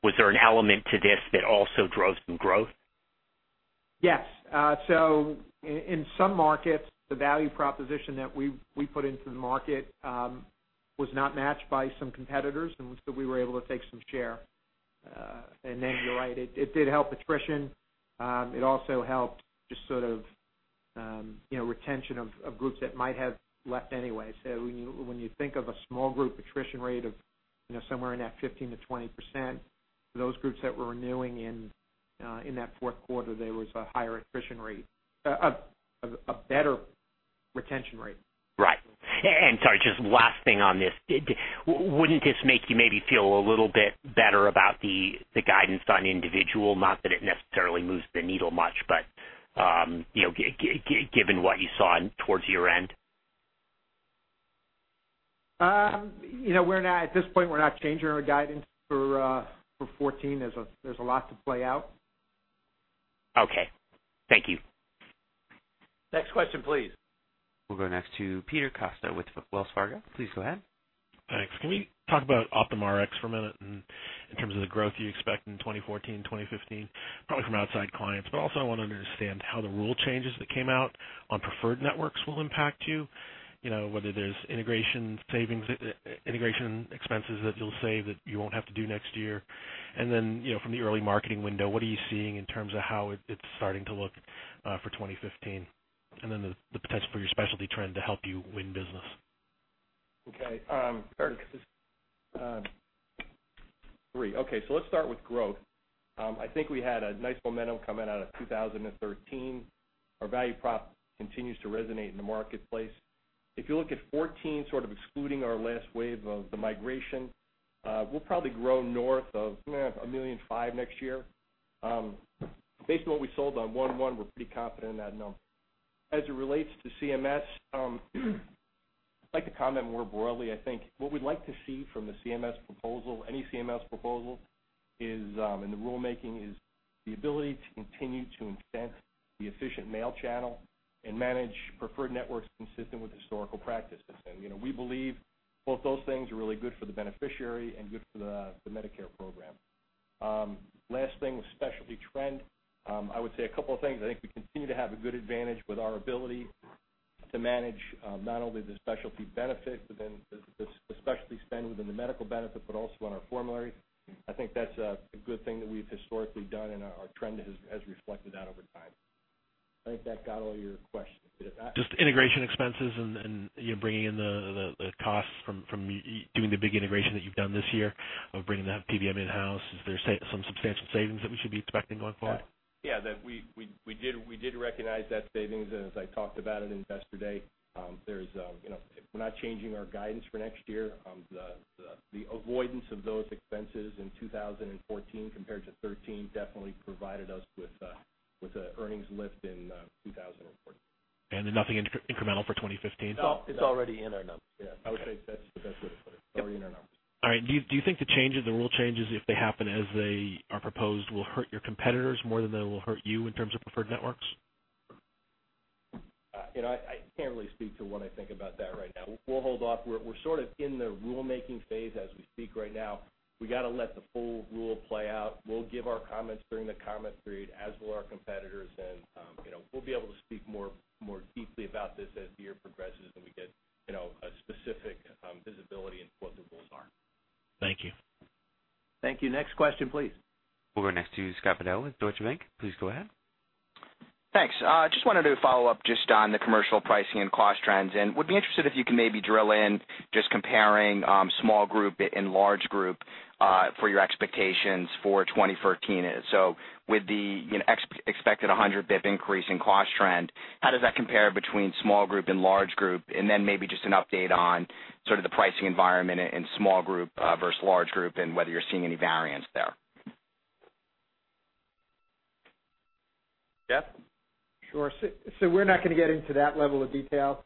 Was there an element to this that also drove some growth? Yes. In some markets, the value proposition that we put into the market was not matched by some competitors, we were able to take some share. You're right, it did help attrition. It also helped just sort of retention of groups that might have left anyway. When you think of a small group attrition rate of somewhere in that 15%-20%, those groups that were renewing in that fourth quarter, there was a higher attrition rate, a better retention rate. Right. Sorry, just last thing on this. Wouldn't this make you maybe feel a little bit better about the guidance on individual? Not that it necessarily moves the needle much, but given what you saw towards year-end? At this point, we're not changing our guidance for 2014. There's a lot to play out. Okay. Thank you. Next question, please. We'll go next to Peter Costa with Wells Fargo. Please go ahead. Thanks. Can we talk about Optum Rx for a minute in terms of the growth you expect in 2014, 2015? Probably from outside clients, also I want to understand how the rule changes that came out on preferred networks will impact you, whether there's integration expenses that you'll save that you won't have to do next year. From the early marketing window, what are you seeing in terms of how it's starting to look for 2015? The potential for your specialty trend to help you win business. Okay. Sorry, because it's three. Okay, let's start with growth. I think we had a nice momentum coming out of 2013. Our value prop continues to resonate in the marketplace. If you look at 2014, sort of excluding our last wave of the migration, we'll probably grow north of 1.5 million next year. Based on what we sold on 1/1, we're pretty confident in that number. As it relates to CMS, I'd like to comment more broadly. I think what we'd like to see from the CMS proposal, any CMS proposal, and the rulemaking, is the ability to continue to incent the efficient mail channel and manage preferred networks consistent with historical practices. We believe both those things are really good for the beneficiary and good for the Medicare program. Last thing with specialty trend, I would say a couple of things. I think we continue to have a good advantage with our ability to manage not only the specialty benefit within the specialty spend within the medical benefit, but also on our formulary. I think that's a good thing that we've historically done, our trend has reflected that over time. I think that got all your questions. Just integration expenses and you bringing in the costs from doing the big integration that you've done this year of bringing that PBM in-house. Is there some substantial savings that we should be expecting going forward? Yeah. We did recognize that savings, and as I talked about at Investor Day, we're not changing our guidance for next year. The avoidance of those expenses in 2014 compared to 2013 definitely provided us with an earnings lift in 2014. Nothing incremental for 2015? No. It's already in our numbers. Yeah. I would say that's the best way to put it. Already in our numbers. All right. Do you think the rule changes, if they happen as they are proposed, will hurt your competitors more than they will hurt you in terms of preferred networks? I can't really speak to what I think about that right now. We'll hold off. We're sort of in the rule-making phase as we speak right now. We got to let the full rule play out. We'll give our comments during the comment period, as will our competitors, and we'll be able to speak more deeply about this as the year progresses, and we get a specific visibility into what the rules are. Thank you. Thank you. Next question, please. We'll go next to Scott Fidel with Deutsche Bank. Please go ahead. Thanks. Just wanted to follow up just on the commercial pricing and cost trends, and would be interested if you can maybe drill in, just comparing small group and large group for your expectations for 2014. With the expected 100 basis points increase in cost trend, how does that compare between small group and large group? Then maybe just an update on sort of the pricing environment in small group versus large group, and whether you're seeing any variance there. Jeff? Sure. We're not going to get into that level of detail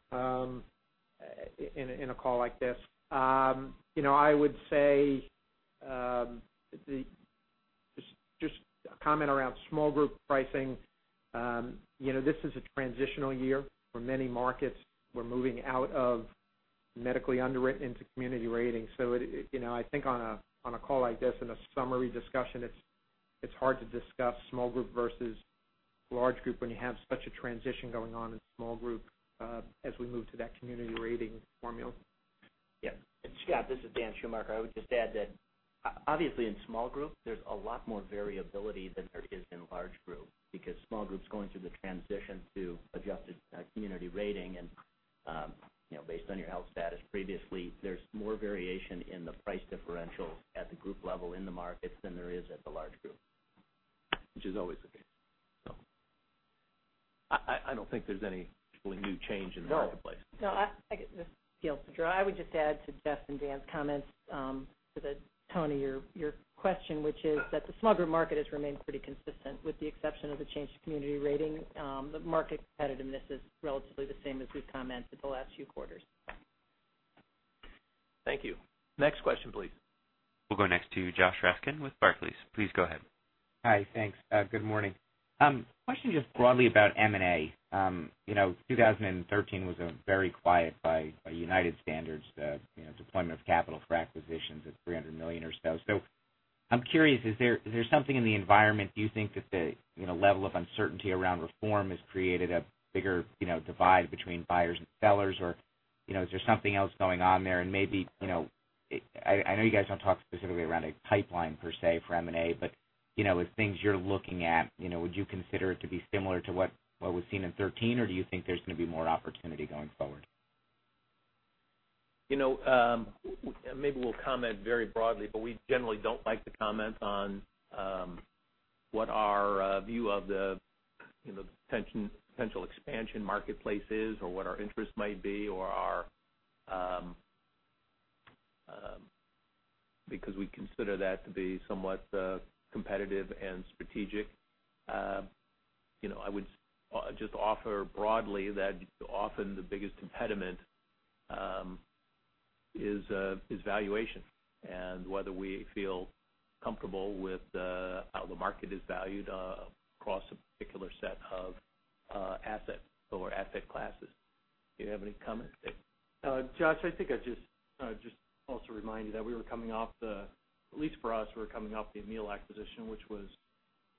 in a call like this. I would say, just a comment around small group pricing. This is a transitional year for many markets. We're moving out of medically underwritten into community rating. I think on a call like this, in a summary discussion, it's hard to discuss small group versus large group when you have such a transition going on in small group as we move to that community rating formula. Yeah. Scott, this is Dan Schumacher. I would just add that obviously in small group, there's a lot more variability than there is in large group because small group's going through the transition to adjusted community rating, and based on your health status previously. There's more variation in the price differential at the group level in the markets than there is at the large group. Which is always the case. I don't think there's any particularly new change in the marketplace. No. This is Gail Boudreaux. I would just add to Jeff and Dan's comments to the tone of your question, which is that the small group market has remained pretty consistent with the exception of the change to community rating. The market competitiveness is relatively the same as we've commented the last few quarters. Thank you. Next question, please. We'll go next to Joshua Raskin with Barclays. Please go ahead. Hi. Thanks. Good morning. Question just broadly about M&A. 2013 was a very quiet by United standards, deployment of capital for acquisitions at $300 million or so. I'm curious, is there something in the environment, do you think that the level of uncertainty around reform has created a bigger divide between buyers and sellers? Is there something else going on there? Maybe, I know you guys don't talk specifically around a pipeline per se for M&A, but with things you're looking at, would you consider it to be similar to what was seen in '13? Or do you think there's going to be more opportunity going forward? Maybe we'll comment very broadly. We generally don't like to comment on what our view of the potential expansion marketplace is or what our interests might be because we consider that to be somewhat competitive and strategic. I would just offer broadly that often the biggest impediment is valuation and whether we feel comfortable with how the market is valued across a particular set of assets or asset classes. Do you have any comment, Dirk? Josh, I think I'd just also remind you that at least for us, we're coming off the Amil acquisition, which was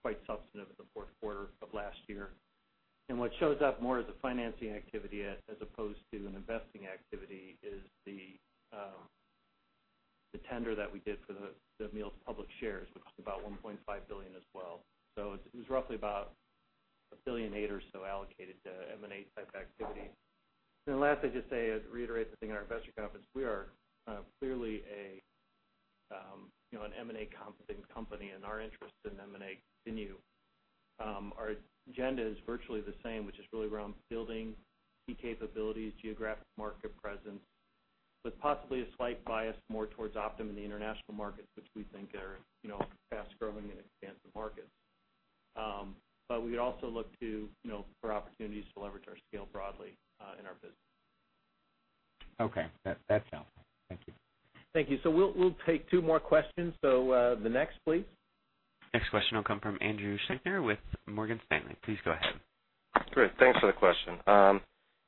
quite substantive in the fourth quarter of last year. What shows up more as a financing activity as opposed to an investing activity is the tender that we did for the Amil's public shares, which was about $1.5 billion as well. It was roughly about $1.8 billion or so allocated to M&A type activity. Lastly, just to reiterate the thing at our investor conference, we are clearly an M&A competent company, and our interests in M&A continue. Our agenda is virtually the same, which is really around building key capabilities, geographic market presence, with possibly a slight bias more towards Optum and the international markets, which we think are fast-growing and expansive markets. We also look for opportunities to leverage our scale broadly in our business. Okay. That's helpful. Thank you. Thank you. We'll take two more questions. The next, please. Next question will come from Andrew Schenker with Morgan Stanley. Please go ahead. Great. Thanks for the question.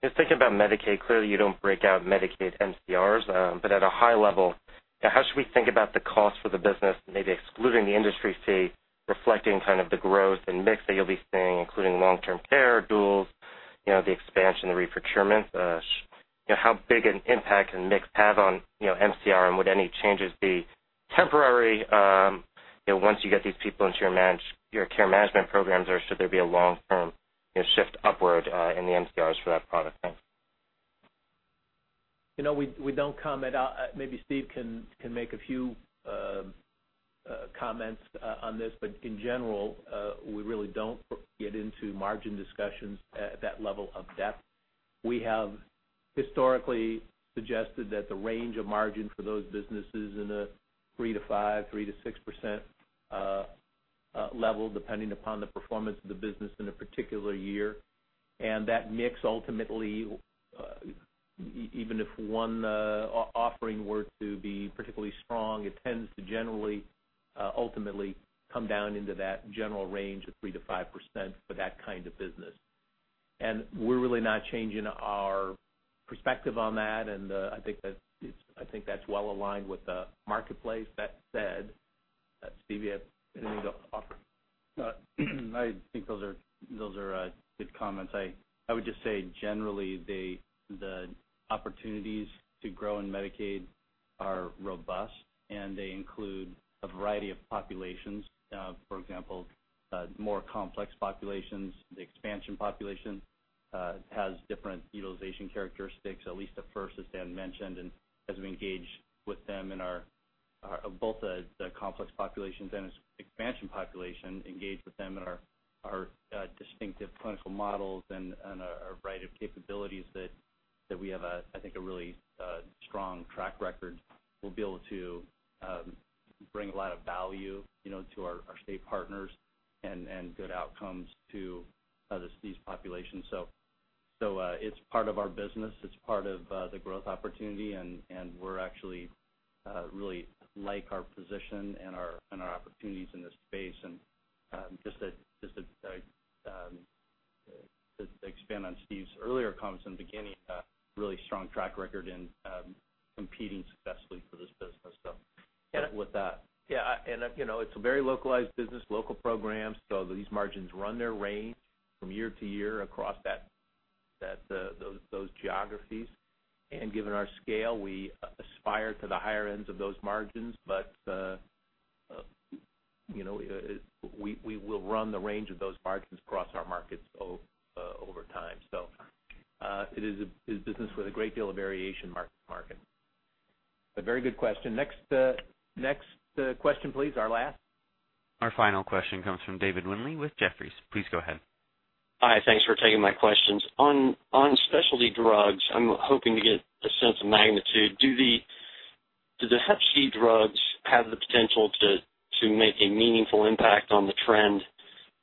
Just thinking about Medicaid, clearly you don't break out Medicaid MCRs. At a high level, how should we think about the cost for the business, maybe excluding the industry fee, reflecting kind of the growth and mix that you'll be seeing, including long-term care, duals, the expansion, the reprocurement? How big an impact can mix have on MCR, and would any changes be temporary, once you get these people into your care management programs or should there be a long-term shift upward in the MCRs for that product? Thanks. We don't comment. Maybe Steve can make a few comments on this, in general, we really don't get into margin discussions at that level of depth. We have historically suggested that the range of margin for those businesses in a 3%-5%, 3%-6% level, depending upon the performance of the business in a particular year. That mix ultimately, even if one offering were to be particularly strong, it tends to generally, ultimately come down into that general range of 3%-5% for that kind of business. We're really not changing our perspective on that, and I think that's well-aligned with the marketplace. That said, Steve, you have anything to offer? I think those are good comments. I would just say, generally, the opportunities to grow in Medicaid are robust, and they include a variety of populations. For example, more complex populations. The expansion population has different utilization characteristics, at least at first, as Dan mentioned, and as we engage with them in both the complex populations and expansion population, engage with them in our distinctive clinical models and our variety of capabilities that we have, I think, a really strong track record. We'll be able to bring a lot of value to our state partners and good outcomes to these populations. It's part of our business. It's part of the growth opportunity, and we actually really like our position and our opportunities in this space. Just to expand on Steve's earlier comments in the beginning, a really strong track record in competing successfully for this business. Happy with that. Yeah. It's a very localized business, local programs. These margins run their range from year to year across those geographies. Given our scale, we aspire to the higher ends of those margins, but we will run the range of those margins across our markets over time. It is business with a great deal of variation market. Very good question. Next question, please. Our last. Our final question comes from David Windley with Jefferies. Please go ahead. Hi. Thanks for taking my questions. On specialty drugs, I'm hoping to get a sense of magnitude. Do the hep C drugs have the potential to make a meaningful impact on the trend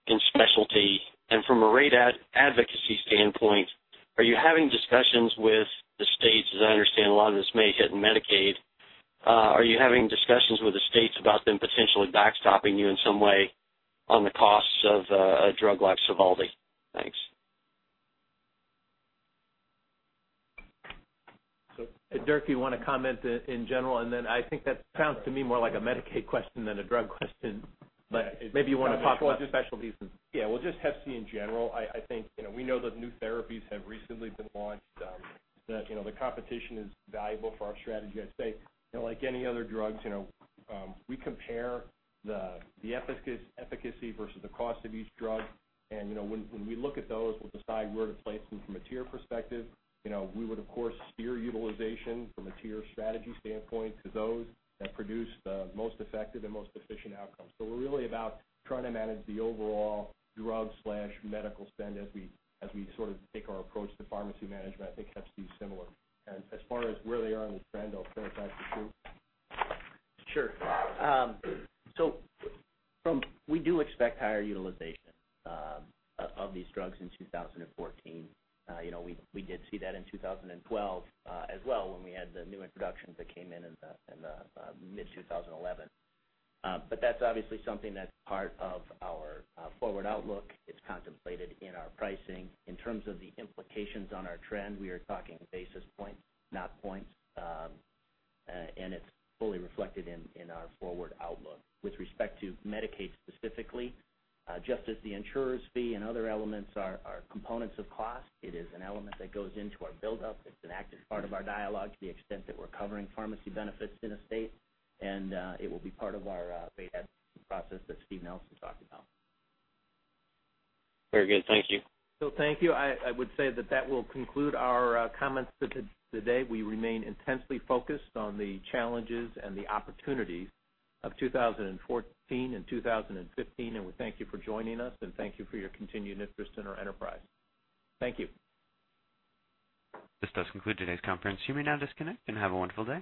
in specialty? From a rate advocacy standpoint, are you having discussions with the states, as I understand a lot of this may hit in Medicaid. Are you having discussions with the states about them potentially backstopping you in some way on the costs of a drug like SOVALDI? Thanks. Dirk, you want to comment in general, and then I think that sounds to me more like a Medicaid question than a drug question, but maybe you want to talk about specialties. Yeah. Well, just hep C in general. I think, we know that new therapies have recently been launched, that the competition is valuable for our strategy at stake. Like any other drugs, we compare the efficacy versus the cost of each drug. When we look at those, we'll decide where to place them from a tier perspective. We would, of course, steer utilization from a tier strategy standpoint to those that produce the most effective and most efficient outcomes. We're really about trying to manage the overall drug/medical spend as we sort of take our approach to pharmacy management. I think hep C is similar. As far as where they are on the trend, I'll turn it back to Steve. Sure. We do expect higher utilization of these drugs in 2014. We did see that in 2012 as well when we had the new introductions that came in in the mid-2011. That's obviously something that's part of our forward outlook. It's contemplated in our pricing. In terms of the implications on our trend, we are talking basis points, not points. It's fully reflected in our forward outlook. With respect to Medicaid specifically, just as the insurers fee and other elements are components of cost, it is an element that goes into our buildup. It's an active part of our dialogue to the extent that we're covering pharmacy benefits in a state, and it will be part of our P.A. process that Steve Nelson talked about. Very good. Thank you. Thank you. I would say that that will conclude our comments today. We remain intensely focused on the challenges and the opportunities of 2014 and 2015, and we thank you for joining us, and thank you for your continued interest in our enterprise. Thank you. This does conclude today's conference. You may now disconnect and have a wonderful day.